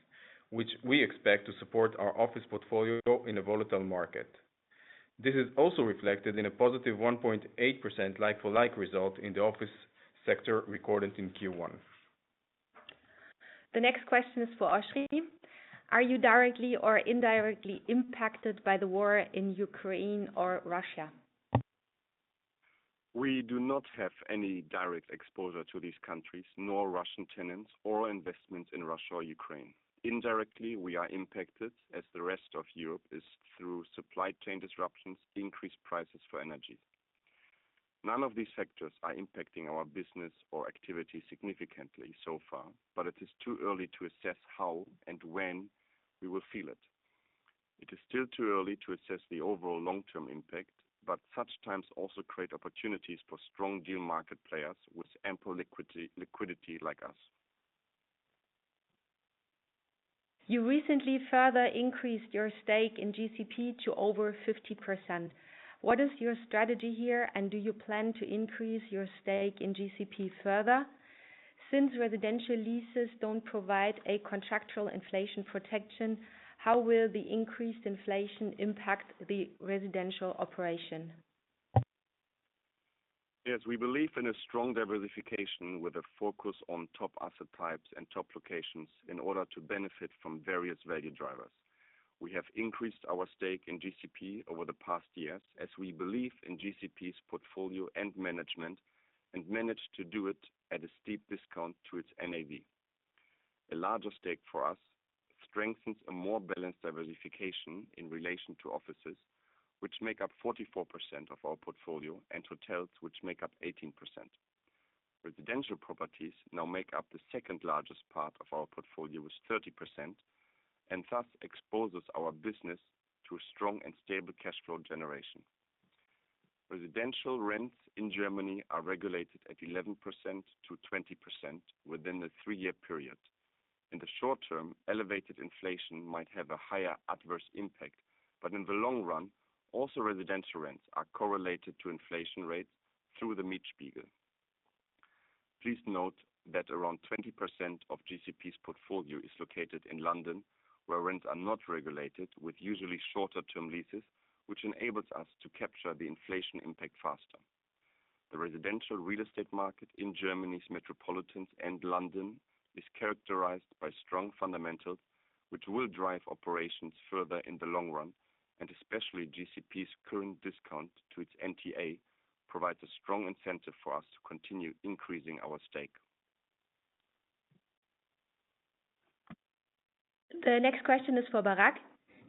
which we expect to support our office portfolio in a volatile market. This is also reflected in a positive 1.8% like-for-like result in the office sector recorded in Q1. The next question is for Oschrie. Are you directly or indirectly impacted by the war in Ukraine or Russia? We do not have any direct exposure to these countries, nor Russian tenants or investments in Russia or Ukraine. Indirectly, we are impacted as the rest of Europe is through supply chain disruptions, increased prices for energy. None of these factors are impacting our business or activity significantly so far, but it is too early to assess how and when we will feel it. It is still too early to assess the overall long-term impact, but such times also create opportunities for strong deal market players with ample liquidity like us. You recently further increased your stake in GCP to over 50%. What is your strategy here, and do you plan to increase your stake in GCP further? Since residential leases don't provide a contractual inflation protection, how will the increased inflation impact the residential operation? Yes, we believe in a strong diversification with a focus on top asset types and top locations in order to benefit from various value drivers. We have increased our stake in GCP over the past years as we believe in GCP's portfolio and management, and managed to do it at a steep discount to its NAV. A larger stake for us strengthens a more balanced diversification in relation to offices, which make up 44% of our portfolio, and hotels, which make up 18%. Residential properties now make up the second-largest part of our portfolio with 30%, and thus exposes our business to a strong and stable cash flow generation. Residential rents in Germany are regulated at 11%-20% within the three-year period. In the short term, elevated inflation might have a higher adverse impact, but in the long run, also residential rents are correlated to inflation rates through the Mietspiegel. Please note that around 20% of GCP's portfolio is located in London, where rents are not regulated with usually shorter term leases, which enables us to capture the inflation impact faster. The residential real estate market in Germany's metropolitans and London is characterized by strong fundamentals, which will drive operations further in the long run, and especially GCP's current discount to its NTA provides a strong incentive for us to continue increasing our stake. The next question is for Barak.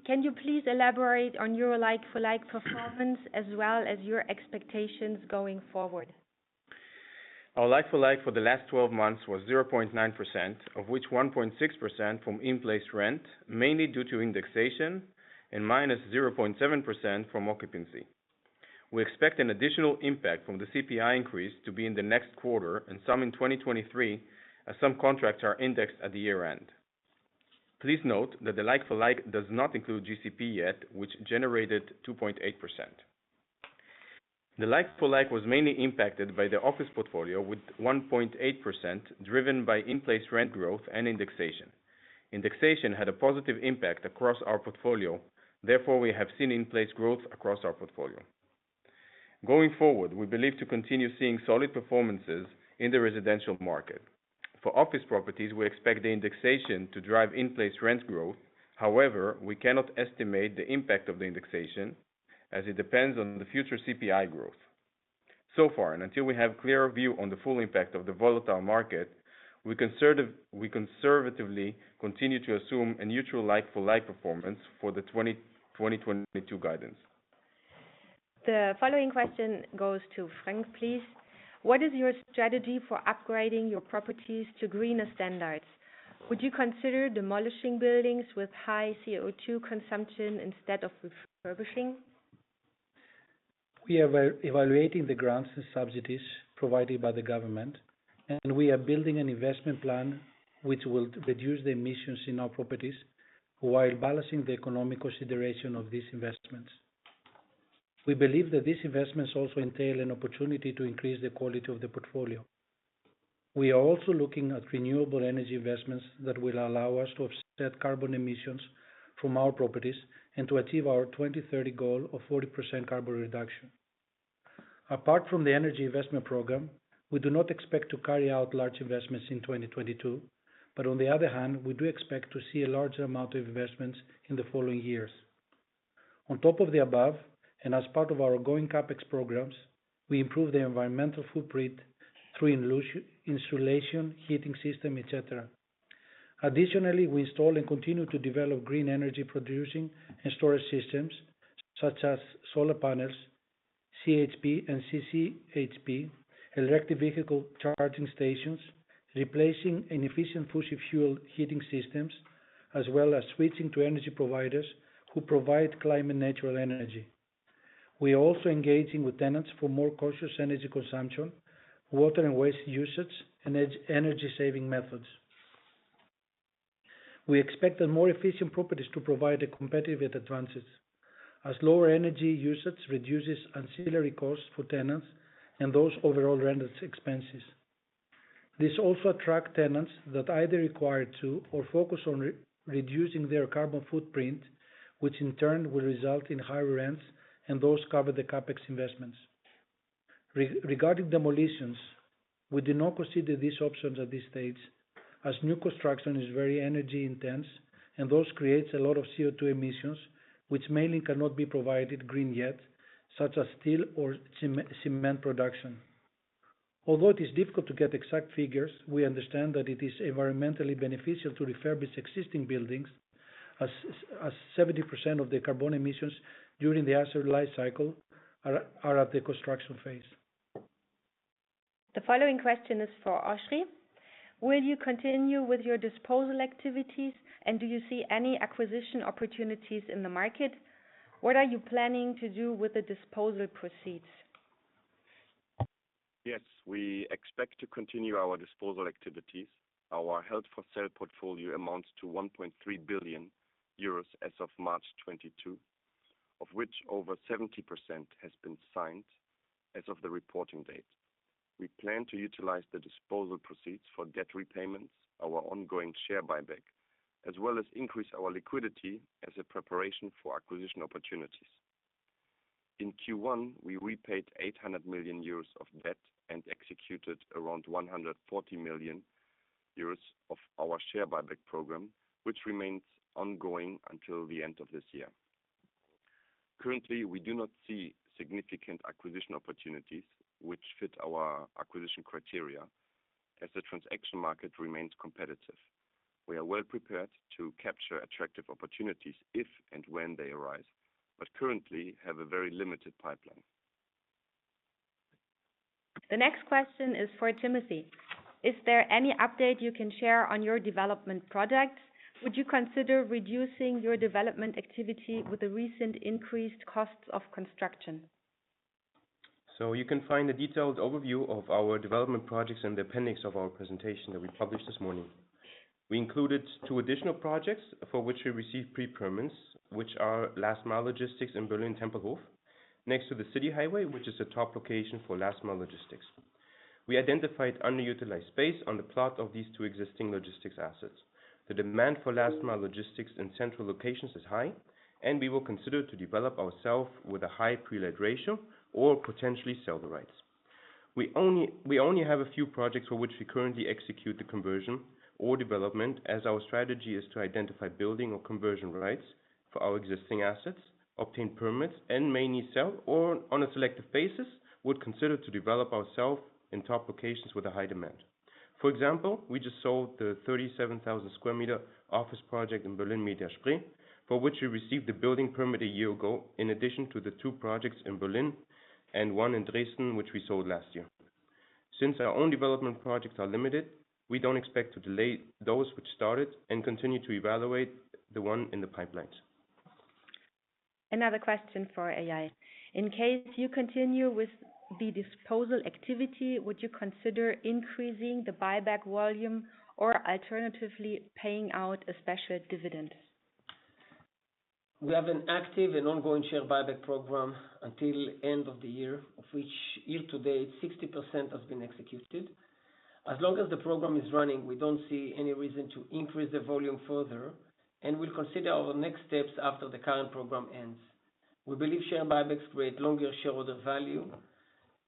Can you please elaborate on your like-for-like performance as well as your expectations going forward? Our like-for-like for the last 12 months was 0.9%, of which 1.6% from in-place rent, mainly due to indexation, and -0.7% from occupancy. We expect an additional impact from the CPI increase to be in the next quarter and some in 2023, as some contracts are indexed at the year-end. Please note that the like-for-like does not include GCP yet, which generated 2.8%. The like-for-like was mainly impacted by the office portfolio with 1.8%, driven by in-place rent growth and indexation. Indexation had a positive impact across our portfolio. Therefore, we have seen in-place growth across our portfolio. Going forward, we believe to continue seeing solid performances in the residential market. For office properties, we expect the indexation to drive in-place rent growth. However, we cannot estimate the impact of the indexation as it depends on the future CPI growth. So far, and until we have clearer view on the full impact of the volatile market, we conservatively continue to assume a neutral like-for-like performance for the 2022 guidance. The following question goes to Frank, please. What is your strategy for upgrading your properties to greener standards? Would you consider demolishing buildings with high CO₂ consumption instead of refurbishing? We are evaluating the grants and subsidies provided by the government, and we are building an investment plan which will reduce the emissions in our properties while balancing the economic consideration of these investments. We believe that these investments also entail an opportunity to increase the quality of the portfolio. We are also looking at renewable energy investments that will allow us to offset carbon emissions from our properties and to achieve our 2030 goal of 40% carbon reduction. Apart from the energy investment program, we do not expect to carry out large investments in 2022, but on the other hand, we do expect to see a large amount of investments in the following years. On top of the above, and as part of our ongoing CapEx programs, we improve the environmental footprint through insulation, heating system, et cetera. We install and continue to develop green energy producing and storage systems such as solar panels, CHP and CCHP, electric vehicle charging stations, replacing inefficient fossil fuel heating systems, as well as switching to energy providers who provide climate neutral energy. We are also engaging with tenants for more conscious energy consumption, water and waste usage, and energy saving methods. We expect the more efficient properties to provide a competitive advantage as lower energy usage reduces ancillary costs for tenants and those overall running expenses. This also attracts tenants that either are required to or focus on reducing their carbon footprint, which in turn will result in higher rents and thus cover the CapEx investments. Regarding demolitions, we do not consider these options at this stage as new construction is very energy intense and those creates a lot of CO₂ emissions which mainly cannot be provided green yet, such as steel or cement production. Although it is difficult to get exact figures, we understand that it is environmentally beneficial to refurbish existing buildings as 70% of the carbon emissions during the asset lifecycle are at the construction phase. The following question is for Oschrie. Will you continue with your disposal activities, and do you see any acquisition opportunities in the market? What are you planning to do with the disposal proceeds? Yes, we expect to continue our disposal activities. Our held-for-sale portfolio amounts to 1.3 billion euros as of March 2022, of which over 70% has been signed as of the reporting date. We plan to utilize the disposal proceeds for debt repayments, our ongoing share buyback, as well as increase our liquidity as a preparation for acquisition opportunities. In Q1, we repaid 800 million euros of debt and executed around 140 million euros of our share buyback program, which remains ongoing until the end of this year. Currently, we do not see significant acquisition opportunities which fit our acquisition criteria as the transaction market remains competitive. We are well prepared to capture attractive opportunities if and when they arise, but currently have a very limited pipeline. The next question is for Timothy. Is there any update you can share on your development projects? Would you consider reducing your development activity with the recent increased costs of construction? You can find a detailed overview of our development projects in the appendix of our presentation that we published this morning. We included two additional projects for which we received pre-permits, which are last mile logistics in Berlin Tempelhof, next to the city highway, which is a top location for last mile logistics. We identified underutilized space on the plot of these two existing logistics assets. The demand for last mile logistics in central locations is high, and we will consider to develop ourselves with a high pre-let ratio or potentially sell the rights. We only have a few projects for which we currently execute the conversion or development as our strategy is to identify building or conversion rights for our existing assets, obtain permits, and mainly sell, or on a selective basis, would consider to develop ourselves in top locations with a high demand. For example, we just sold the 37,000 square meter office project in Mediaspree, for which we received the building permit a year ago, in addition to the two projects in Berlin and one in Dresden, which we sold last year. Since our own development projects are limited, we don't expect to delay those which started and continue to evaluate the one in the pipelines. Another question for Eyal. In case you continue with the disposal activity, would you consider increasing the buyback volume or alternatively paying out a special dividend? We have an active and ongoing share buyback program until end of the year, of which year to date 60% has been executed. As long as the program is running, we don't see any reason to increase the volume further, and we'll consider our next steps after the current program ends. We believe share buybacks create longer shareholder value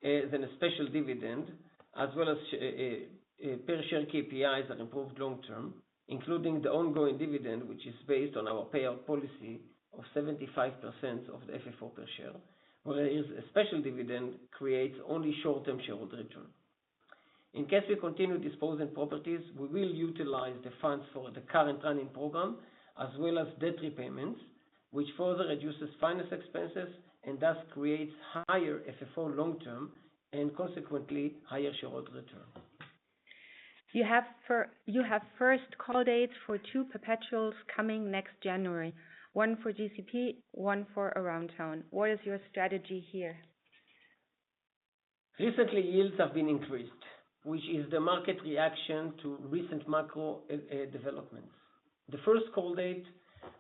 than a special dividend, as well as per share KPIs that improve long term, including the ongoing dividend, which is based on our payout policy of 75% of the FFO per share, whereas a special dividend creates only short-term shareholder return. In case we continue disposing properties, we will utilize the funds for the current running program as well as debt repayments, which further reduces finance expenses and thus creates higher FFO long term and consequently higher shareholder return. You have first call dates for two perpetuals coming next January, one for GCP, one for Aroundtown. What is your strategy here? Recently, yields have been increased, which is the market reaction to recent macro developments. The first call date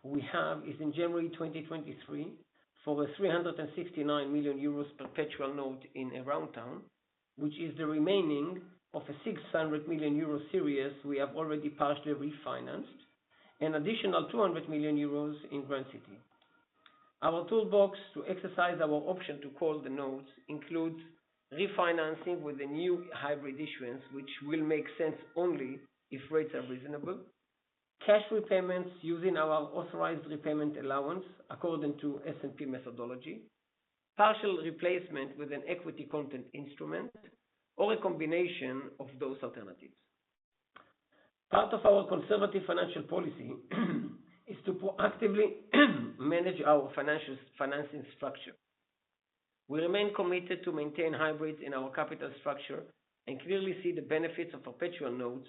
we have is in January 2023 for a 369 million euros perpetual note in Aroundtown, which is the remainder of a 600 million euro series we have already partially refinanced, an additional 200 million euros in Grand City. Our toolbox to exercise our option to call the notes includes refinancing with the new hybrid issuance, which will make sense only if rates are reasonable, cash repayments using our authorized repayment allowance according to S&P methodology, partial replacement with an equity content instrument, or a combination of those alternatives. Part of our conservative financial policy is to proactively manage our financing structure. We remain committed to maintain hybrids in our capital structure and clearly see the benefits of perpetual notes,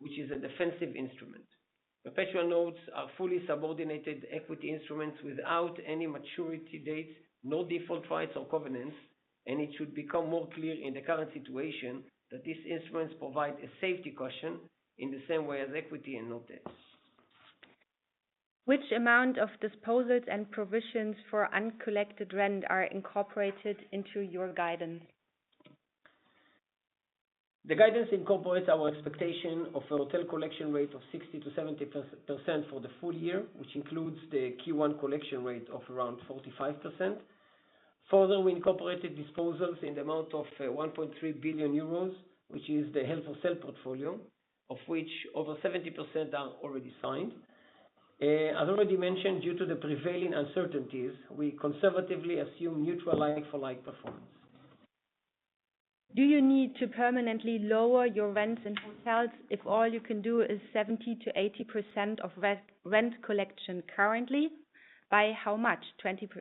which is a defensive instrument. Perpetual notes are fully subordinated equity instruments without any maturity date, no default rights or covenants, and it should become more clear in the current situation that these instruments provide a safety cushion in the same way as equity and not debt. Which amount of disposals and provisions for uncollected rent are incorporated into your guidance? The guidance incorporates our expectation of a hotel collection rate of 60%-70% for the full year, which includes the Q1 collection rate of around 45%. Further, we incorporated disposals in the amount of 1.3 billion euros, which is the held-for-sale portfolio, of which over 70% are already signed. As already mentioned, due to the prevailing uncertainties, we conservatively assume neutral like-for-like performance. Do you need to permanently lower your rents in hotels if all you can do is 70%-80% of re-rent collection currently? By how much, 20 per-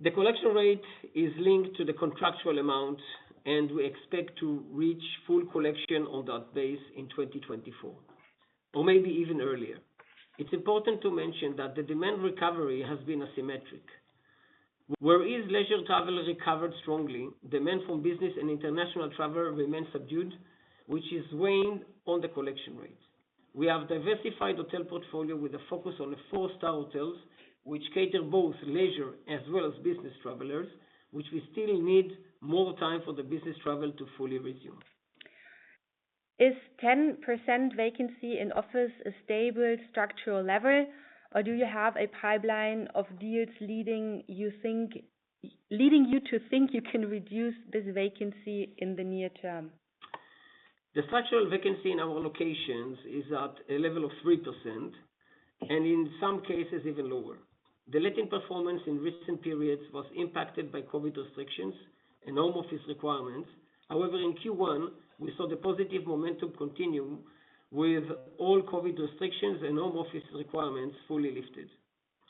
The collection rate is linked to the contractual amount, and we expect to reach full collection on that base in 2024 or maybe even earlier. It's important to mention that the demand recovery has been asymmetric. Whereas leisure travel has recovered strongly, demand from business and international travel remains subdued, which is weighing on the collection rate. We have diversified hotel portfolio with a focus on the four-star hotels, which cater both leisure as well as business travelers, which we still need more time for the business travel to fully resume. Is 10% vacancy in office a stable structural level, or do you have a pipeline of deals leading you to think you can reduce this vacancy in the near term? The structural vacancy in our locations is at a level of 3%, and in some cases even lower. The letting performance in recent periods was impacted by COVID restrictions and home office requirements. However, in Q1, we saw the positive momentum continue with all COVID restrictions and home office requirements fully lifted.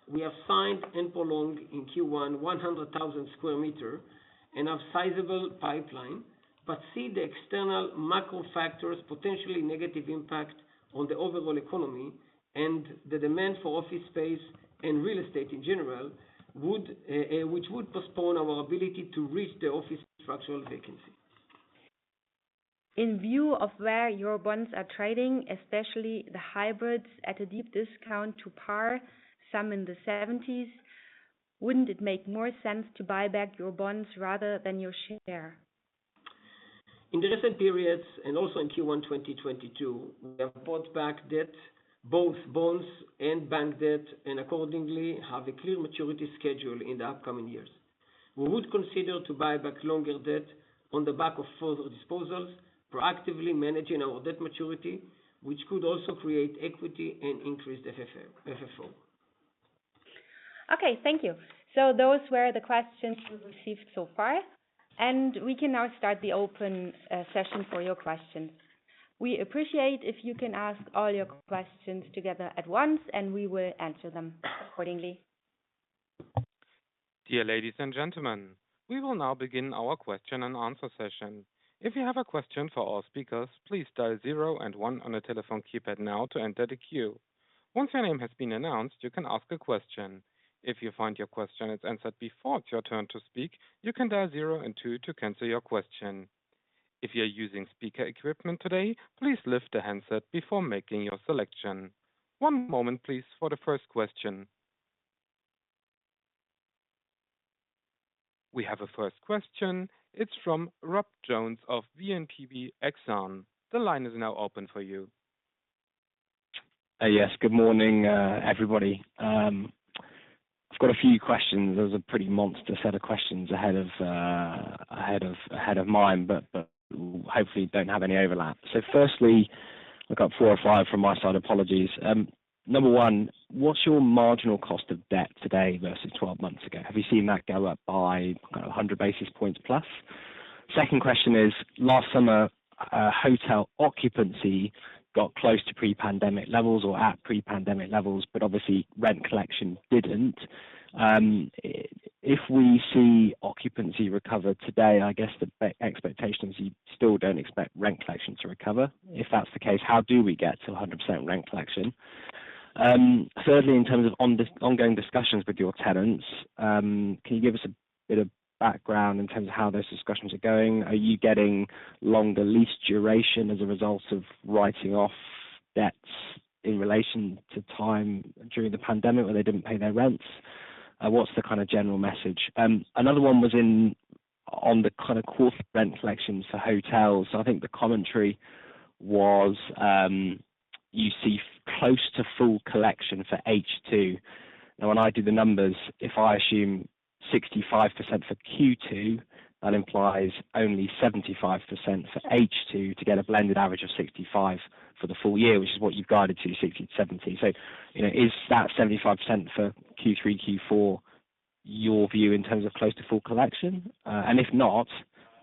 We have signed and prolonged in Q1 100,000 square meters and have sizable pipeline, but see the external macro factors, potentially negative impact on the overall economy and the demand for office space and real estate in general, which would postpone our ability to reach the office structural vacancy. In view of where your bonds are trading, especially the hybrids at a deep discount to par, some in the 70s, wouldn't it make more sense to buy back your bonds rather than your share? In the recent periods, and also in Q1 2022, we have bought back debt, both bonds and bank debt, and accordingly have a clear maturity schedule in the upcoming years. We would consider to buy back longer debt on the back of further disposals, proactively managing our debt maturity, which could also create equity and increase FFO. Okay, thank you. Those were the questions we received so far, and we can now start the open session for your questions. We appreciate if you can ask all your questions together at once, and we will answer them accordingly. Dear ladies and gentlemen, we will now begin our question and answer session. We have a first question. It's from Rob Jones of BNP Paribas Exane. The line is now open for you. Yes, good morning, everybody. I've got a few questions. There's a pretty monster set of questions ahead of mine, but hopefully don't have any overlap. Firstly, I've got four or five from my side. Apologies. Number one, what's your marginal cost of debt today versus 12 months ago? Have you seen that go up by 100 basis points plus? 2nd question is, last summer, hotel occupancy got close to pre-pandemic levels or at pre-pandemic levels, but obviously rent collection didn't. If we see occupancy recover today, I guess the expectations, you still don't expect rent collection to recover. If that's the case, how do we get to 100% rent collection? Thirdly, in terms of ongoing discussions with your tenants, can you give us a bit of background in terms of how those discussions are going? Are you getting longer lease duration as a result of writing off debts in relation to time during the pandemic where they didn't pay their rents? What's the kind of general message? Another one was on the kind of core rent collections for hotels. I think the commentary was, you see close to full collection for H2. Now, when I do the numbers, if I assume 65% for Q2, that implies only 75% for H2 to get a blended average of 65 for the full year, which is what you've guided to 60, 70. You know, is that 75% for Q3, Q4, your view in terms of close to full collection? If not,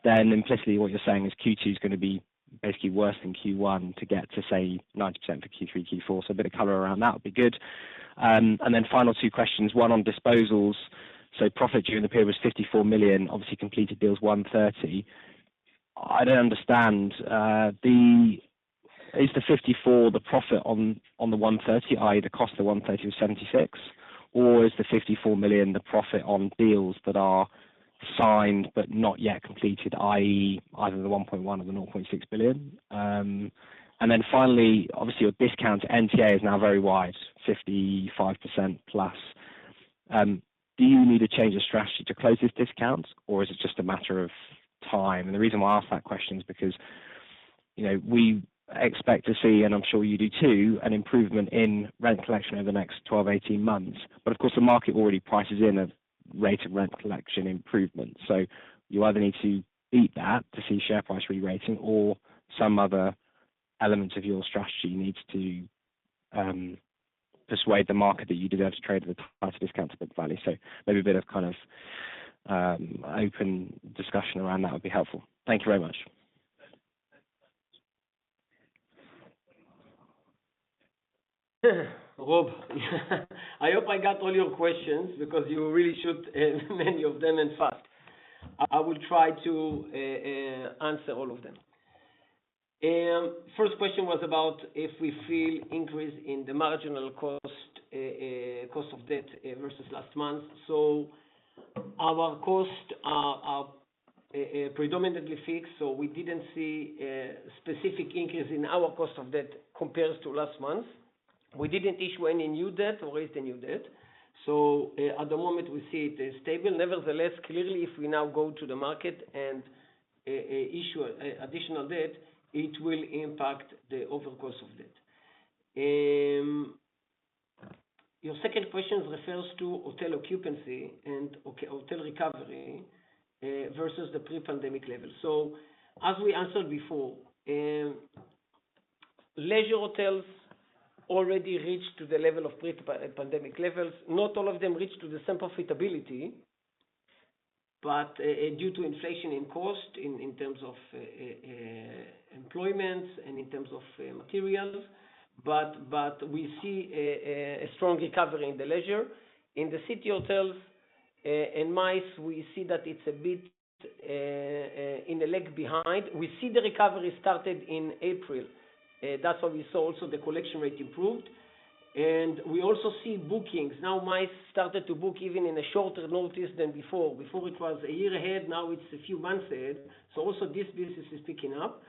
then implicitly, what you're saying is Q2 is gonna be basically worse than Q1 to get to, say, 90% for Q3, Q4. A bit of color around that would be good. Then final two questions, one on disposals. Profit during the period was 54 million, obviously completed deals 130 million. I don't understand, is the 54 the profit on the 130, i.e. the cost of 130 was 76, or is the 54 million the profit on deals that are signed but not yet completed, i.e. either the 1.1 or the 0.6 billion? Then finally, obviously, your discount NTA is now very wide, 55% plus. Do you need to change the strategy to close this discount, or is it just a matter of time? The reason why I ask that question is because, you know, we expect to see, and I'm sure you do too, an improvement in rent collection over the next 12-18 months. Of course, the market already prices in a rate of rent collection improvement. You either need to beat that to see share price rerating or some other elements of your strategy needs to persuade the market that you deserve to trade at a discount to book value. Maybe a bit of kind of open discussion around that would be helpful. Thank you very much. Rob, I hope I got all your questions because you really shoot many of them fast. I will try to answer all of them. 1st question was about if we feel increase in the marginal cost of debt, versus last month. Our costs are predominantly fixed, so we didn't see a specific increase in our cost of debt compared to last month. We didn't issue any new debt or raise any new debt. At the moment, we see it is stable. Nevertheless, clearly, if we now go to the market and issue additional debt, it will impact the overall cost of debt. Your second question refers to hotel occupancy and hotel recovery versus the pre-pandemic level. As we answered before, leisure hotels already reached to the level of pre-pandemic levels. Not all of them reached to the same profitability, but due to inflation in costs in terms of employment and in terms of materials, but we see a strong recovery in the leisure. In the city hotels, in MICE, we see that it's a bit in a lag behind. We see the recovery started in April. That's what we saw. Also, the collection rate improved. We also see bookings. Now, MICE started to book even in a shorter notice than before. Before it was a year ahead, now it's a few months ahead. Also this business is picking up.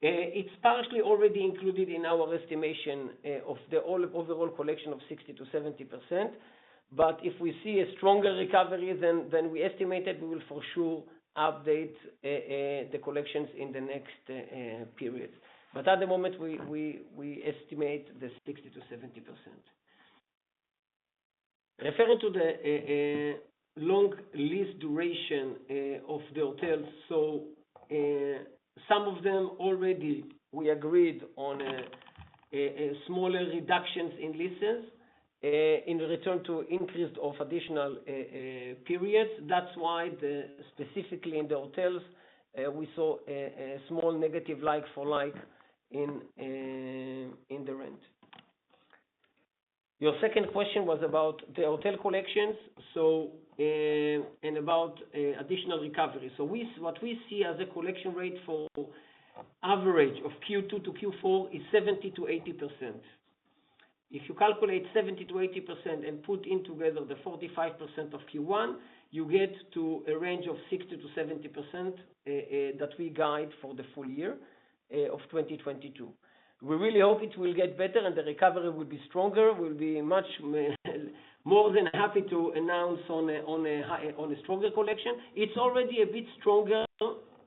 It's partially already included in our estimation of the whole collection of 60%-70%. If we see a stronger recovery than we estimated, we will for sure update the collections in the next period. At the moment, we estimate 60%-70%. Referring to the long lease duration of the hotels. Some of them already, we agreed on a smaller reductions in leases in return for extension of additional periods. That's why specifically in the hotels, we saw a small negative like-for-like in the rent. Your second question was about the hotel collections and about additional recovery. What we see as a collection rate for average of Q2-Q4 is 70%-80%. If you calculate 70%-80% and put in together the 45% of Q1, you get to a range of 60%-70%, that we guide for the full year of 2022. We really hope it will get better and the recovery will be stronger, will be much more than happy to announce on a stronger collection. It's already a bit stronger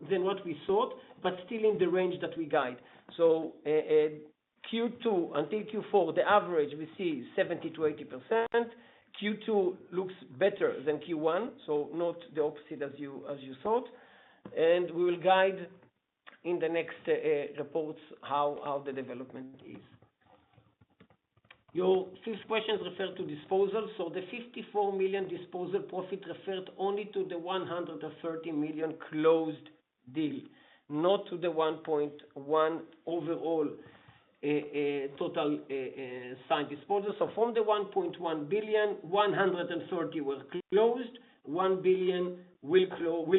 than what we thought, but still in the range that we guide. Q2 until Q4, the average we see 70%-80%. Q2 looks better than Q1, so not the opposite as you thought. We will guide in the next reports how the development is. Your 5th question refers to disposals. The 54 million disposal profit referred only to the 130 million closed deal, not to the 1.1 overall total signed disposal. From the 1.1 billion, 130 was closed. 1 billion will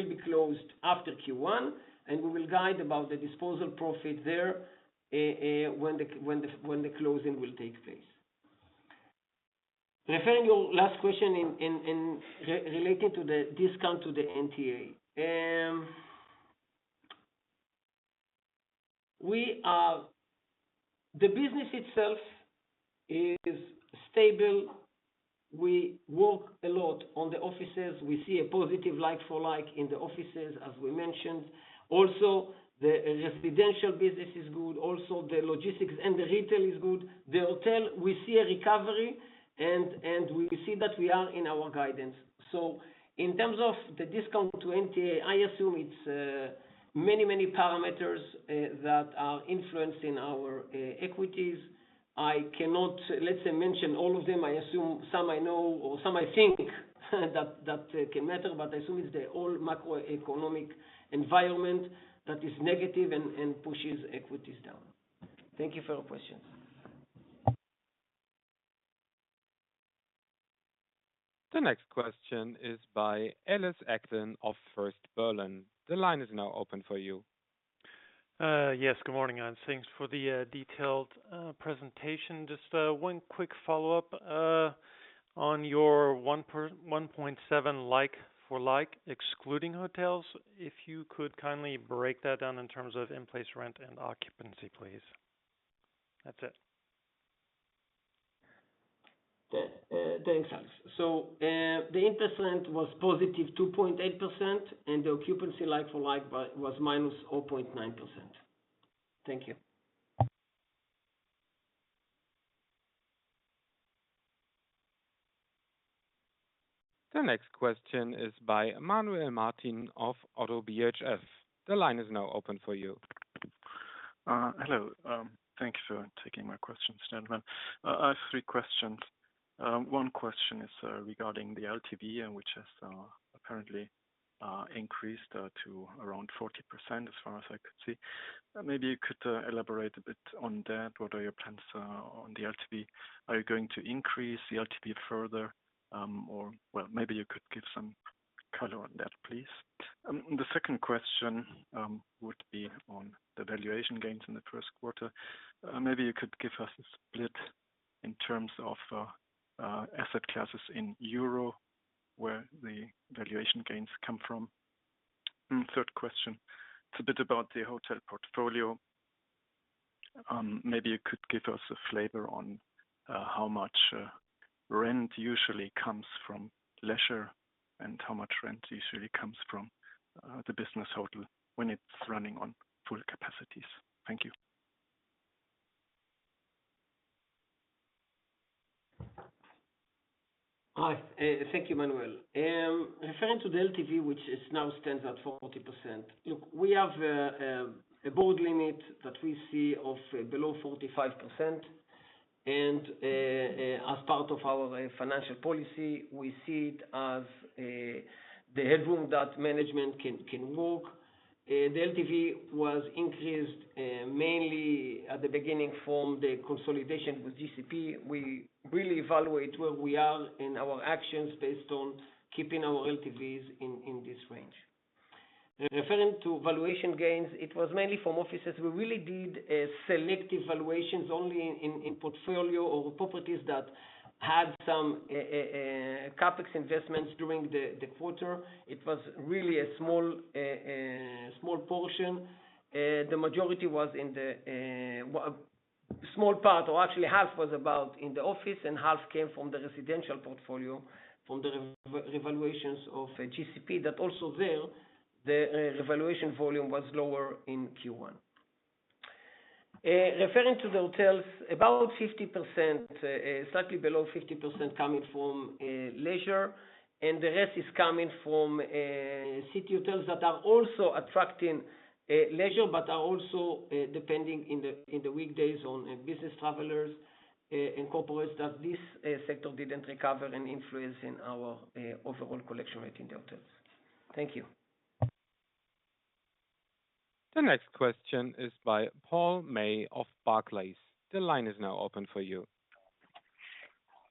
be closed after Q1, and we will guide about the disposal profit there, when the closing will take place. Referring to your last question in relating to the discount to the NTA. The business itself is stable. We work a lot on the offices. We see a positive like-for-like in the offices, as we mentioned. Also, the residential business is good. Also, the logistics and the retail is good. The hotel, we see a recovery and we see that we are in our guidance. In terms of the discount to NTA, I assume it's many, many parameters that are influencing our equities. I cannot, let's say, mention all of them. I assume some I know or some I think that can matter, but I assume it's the whole macroeconomic environment that is negative and pushes equities down. Thank you for your questions. The next question is by Ellis Acklin of First Berlin. The line is now open for you. Yes, good morning, Ernst. Thanks for the detailed presentation. Just one quick follow-up on your 1.7 like for like, excluding hotels. If you could kindly break that down in terms of in-place rent and occupancy, please. That's it. Yeah. Thanks, Ellis. The in-place rent was +2.8%, and the occupancy like for like was -0.9%. Thank you. The next question is by Manuel Martin of ODDO BHF. The line is now open for you. Hello. Thank you for taking my questions, gentlemen. I have three questions. One question is regarding the LTV, which has apparently increased to around 40% as far as I could see. Maybe you could elaborate a bit on that. What are your plans on the LTV? Are you going to increase the LTV further? Or, well, maybe you could give some color on that, please. The 2nd question would be on the valuation gains in the Q1. Maybe you could give us a split in terms of asset classes in euro, where the valuation gains come from. Third question, it's a bit about the hotel portfolio. Maybe you could give us a flavor on how much rent usually comes from leisure and how much rent usually comes from the business hotel when it's running on full capacities. Thank you. All right. Thank you, Manuel. Referring to the LTV, which now stands at 40%. Look, we have a board limit that we see of below 45%. As part of our financial policy, we see it as the headroom that management can work. The LTV was increased mainly at the beginning from the consolidation with GCP. We really evaluate where we are in our actions based on keeping our LTVs in this range. Referring to valuation gains, it was mainly from offices. We really did selective valuations only in portfolio or properties that had some CapEx investments during the quarter. It was really a small portion. The majority was in the small part or actually half was about in the office and half came from the residential portfolio from the revaluations of GCP. That also there, the valuation volume was lower in Q1. Referring to the hotels, about 50%, slightly below 50% coming from leisure, and the rest is coming from city hotels that are also attracting leisure, but are also depending on the weekdays on business travelers and corporates that this sector didn't recover and influence in our overall collection rate in the hotels. Thank you. The next question is by Paul May of Barclays. The line is now open for you.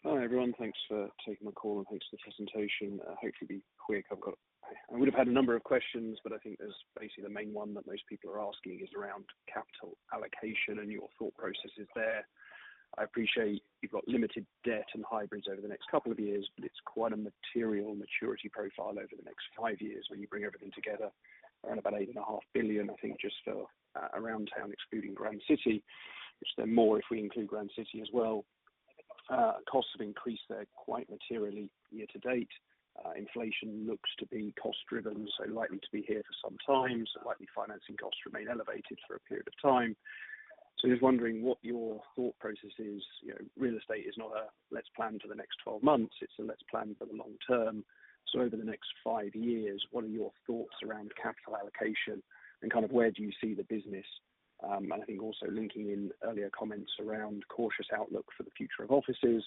Hi, everyone. Thanks for taking the call and thanks for the presentation. Hopefully be quick. I would have had a number of questions, but I think there's basically the main one that most people are asking is around capital allocation and your thought processes there. I appreciate you've got limited debt and hybrids over the next couple of years, but it's quite a material maturity profile over the next five years when you bring everything together. Around about 8.5 billion, I think, just, Aroundtown, excluding Grand City, which is more if we include Grand City as well. Costs have increased there quite materially year to date. Inflation looks to be cost driven, so likely to be here for some time. Likely financing costs remain elevated for a period of time. Just wondering what your thought process is. You know, real estate is not a let's plan for the next 12 months. It's a let's plan for the long term. Over the next five years, what are your thoughts around capital allocation and kind of where do you see the business? And I think also linking in earlier comments around cautious outlook for the future of offices.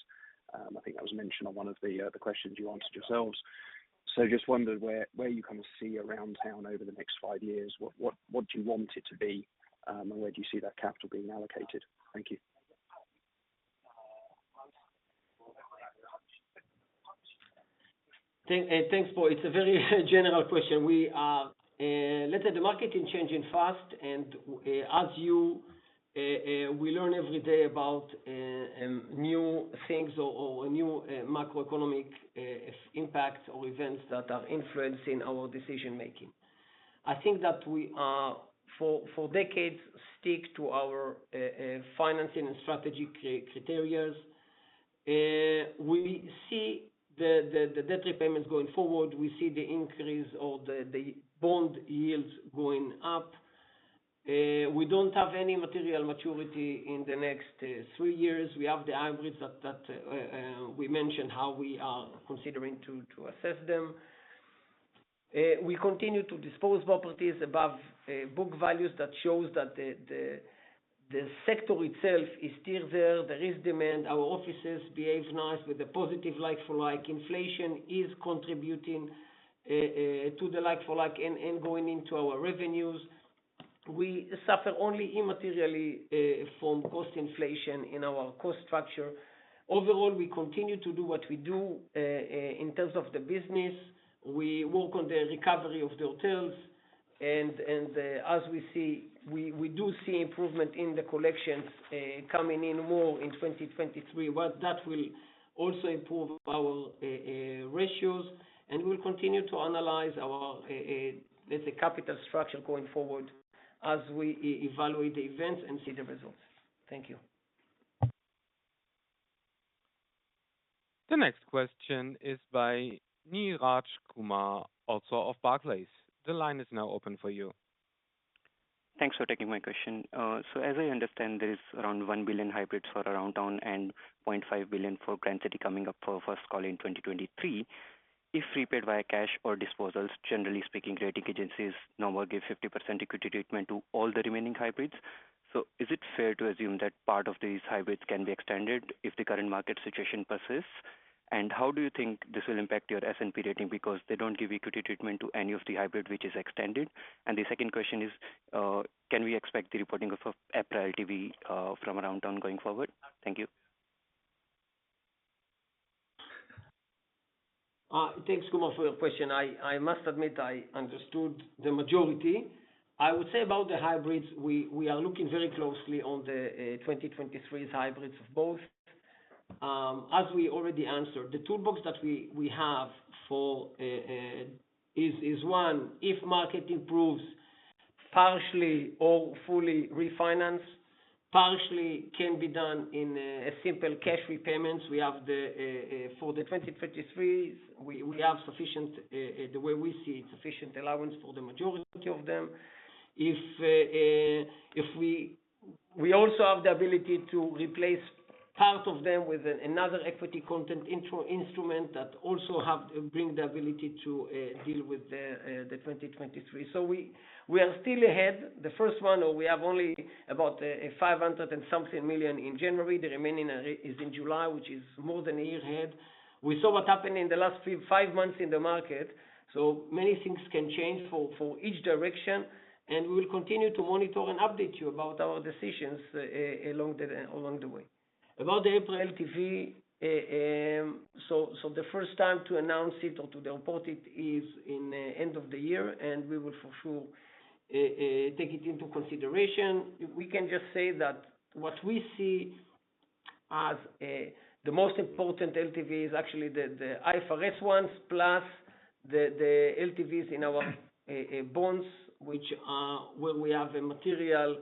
I think that was mentioned on one of the questions you answered yourselves. Just wondered where you kind of see Aroundtown over the next five years. What do you want it to be? Where do you see that capital being allocated? Thank you. Thanks, Paul. It's a very general question. Let's say the market is changing fast, and as you know, we learn every day about new things or new macroeconomic impacts or events that are influencing our decision making. I think that we are for decades stick to our financing and strategy criteria. We see the debt repayments going forward. We see the increase of the bond yields going up. We don't have any material maturity in the next three years. We have the hybrids that we mentioned how we are considering to assess them. We continue to dispose properties above book values. That shows that the sector itself is still there. There is demand. Our offices behave nicely with a positive like-for-like. Inflation is contributing to the like-for-like and going into our revenues. We suffer only immaterially from cost inflation in our cost structure. Overall, we continue to do what we do. In terms of the business, we work on the recovery of the hotels. As we see, we do see improvement in the collections coming in more in 2023. Well, that will also improve our ratios, and we'll continue to analyze our, let's say capital structure going forward as we evaluate the events and see the results. Thank you. The next question is by Neeraj Kumar, also of Barclays. The line is now open for you. Thanks for taking my question. As I understand, there is around 1 billion hybrids for Aroundtown and 0.5 billion for Grand City coming up for first call in 2023. If repaid via cash or disposals, generally speaking, rating agencies normally give 50% equity treatment to all the remaining hybrids. Is it fair to assume that part of these hybrids can be extended if the current market situation persists? How do you think this will impact your S&P rating? Because they don't give equity treatment to any of the hybrid which is extended. The 2nd question is, can we expect the reporting of a EPRA NAV from Aroundtown going forward? Thank you. Thanks, Kumar, for your question. I must admit, I understood the majority. I would say about the hybrids, we are looking very closely on the 2023 hybrids of both. As we already answered, the toolbox that we have for is one, if market improves, partially or fully refinance, partially can be done in a simple cash repayments. We have the for the 2023s, we have sufficient, the way we see it, sufficient allowance for the majority of them. We also have the ability to replace part of them with another equity content instrument that also bring the ability to deal with the 2023. We are still ahead. The first one, or we have only about 500 million in January. The remaining is in July, which is more than a year ahead. We saw what happened in the last five months in the market, so many things can change for each direction, and we'll continue to monitor and update you about our decisions along the way. About the April LTV, so the first time to announce it or to report it is in the end of the year, and we will for sure take it into consideration. We can just say that what we see as the most important LTV is actually the IFRS ones, plus the LTVs in our bonds, which are where we have a material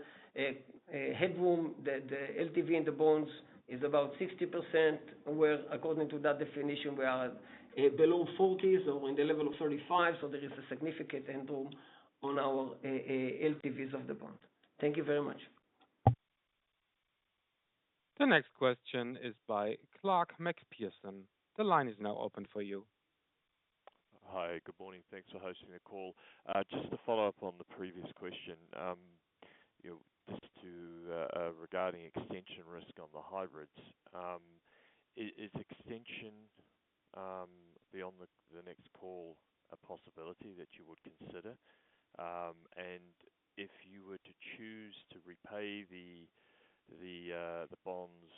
headroom. The LTV in the bonds is about 60%, where according to that definition, we are at below 40%, so in the level of 35%. There is a significant headroom on our LTVs of the bond. Thank you very much. The next question is by Clarke Macpherson. The line is now open for you. Hi. Good morning. Thanks for hosting the call. Just to follow up on the previous question, you know, regarding extension risk on the hybrids. Is extension beyond the next call a possibility that you would consider? If you were to choose to repay the bonds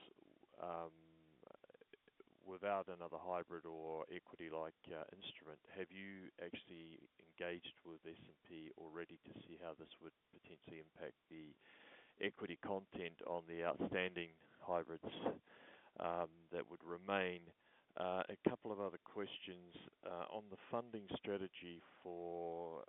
without another hybrid or equity-like instrument, have you actually engaged with S&P already to see how this would potentially impact the equity content on the outstanding hybrids that would remain? A couple of other questions on the funding strategy for,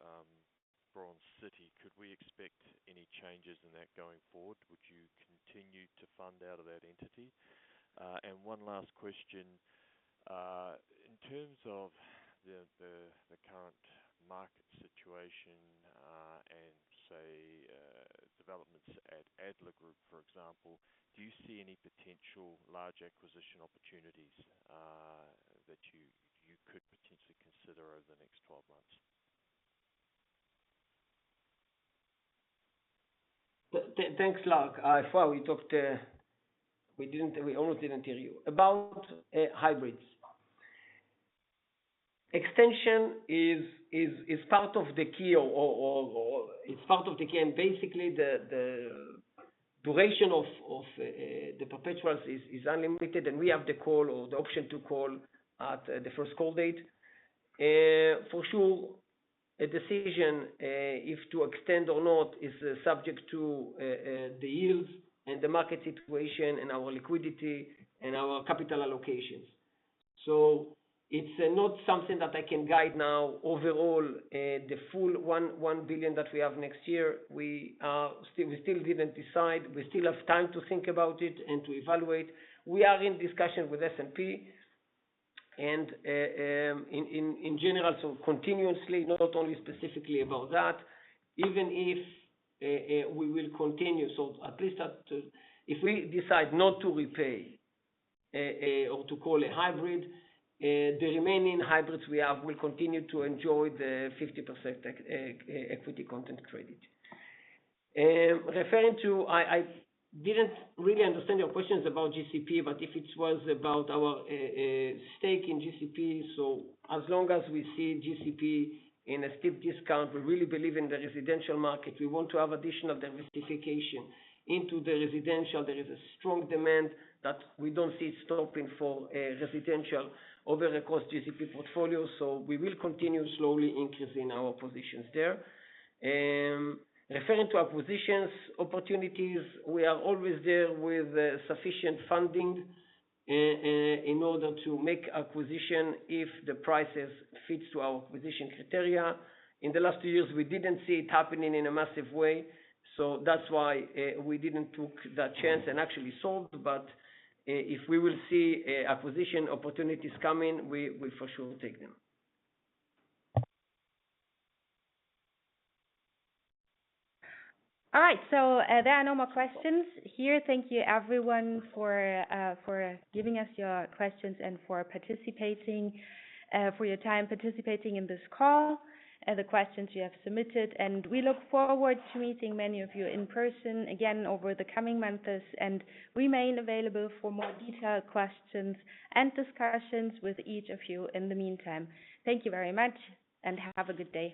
Grand City, could we expect any changes in that going forward? Would you continue to fund out of that entity? One last question. In terms of the current market situation and say developments at Adler Group, for example, do you see any potential large acquisition opportunities that you could potentially consider over the next 12 months? Thanks, Mark. Before we talked, we almost didn't tell you about hybrids. Extension is part of the key, or it's part of the key. Basically, the duration of the perpetuals is unlimited, and we have the call or the option to call at the first call date. For sure, a decision if to extend or not is subject to the yields and the market situation and our liquidity and our capital allocations. It's not something that I can guide now. Overall, the full 1 billion that we have next year, we still didn't decide. We still have time to think about it and to evaluate. We are in discussion with S&P and in general continuously, not only specifically about that, even if we will continue. If we decide not to repay or to call a hybrid, the remaining hybrids we have will continue to enjoy the 50% equity content credit. I didn't really understand your questions about GCP, but if it was about our stake in GCP, so as long as we see GCP in a steep discount, we really believe in the residential market. We want to have additional diversification into the residential. There is a strong demand that we don't see stopping for residential over across GCP portfolio. We will continue slowly increasing our positions there. Referring to acquisitions opportunities, we are always there with sufficient funding in order to make acquisition if the prices fits to our acquisition criteria. In the last two years, we didn't see it happening in a massive way, so that's why we didn't took that chance and actually sold. If we will see acquisition opportunities coming, we for sure will take them. All right. There are no more questions here. Thank you everyone for giving us your questions and for participating, for your time participating in this call, the questions you have submitted, and we look forward to meeting many of you in person again over the coming months, and remain available for more detailed questions and discussions with each of you in the meantime. Thank you very much and have a good day.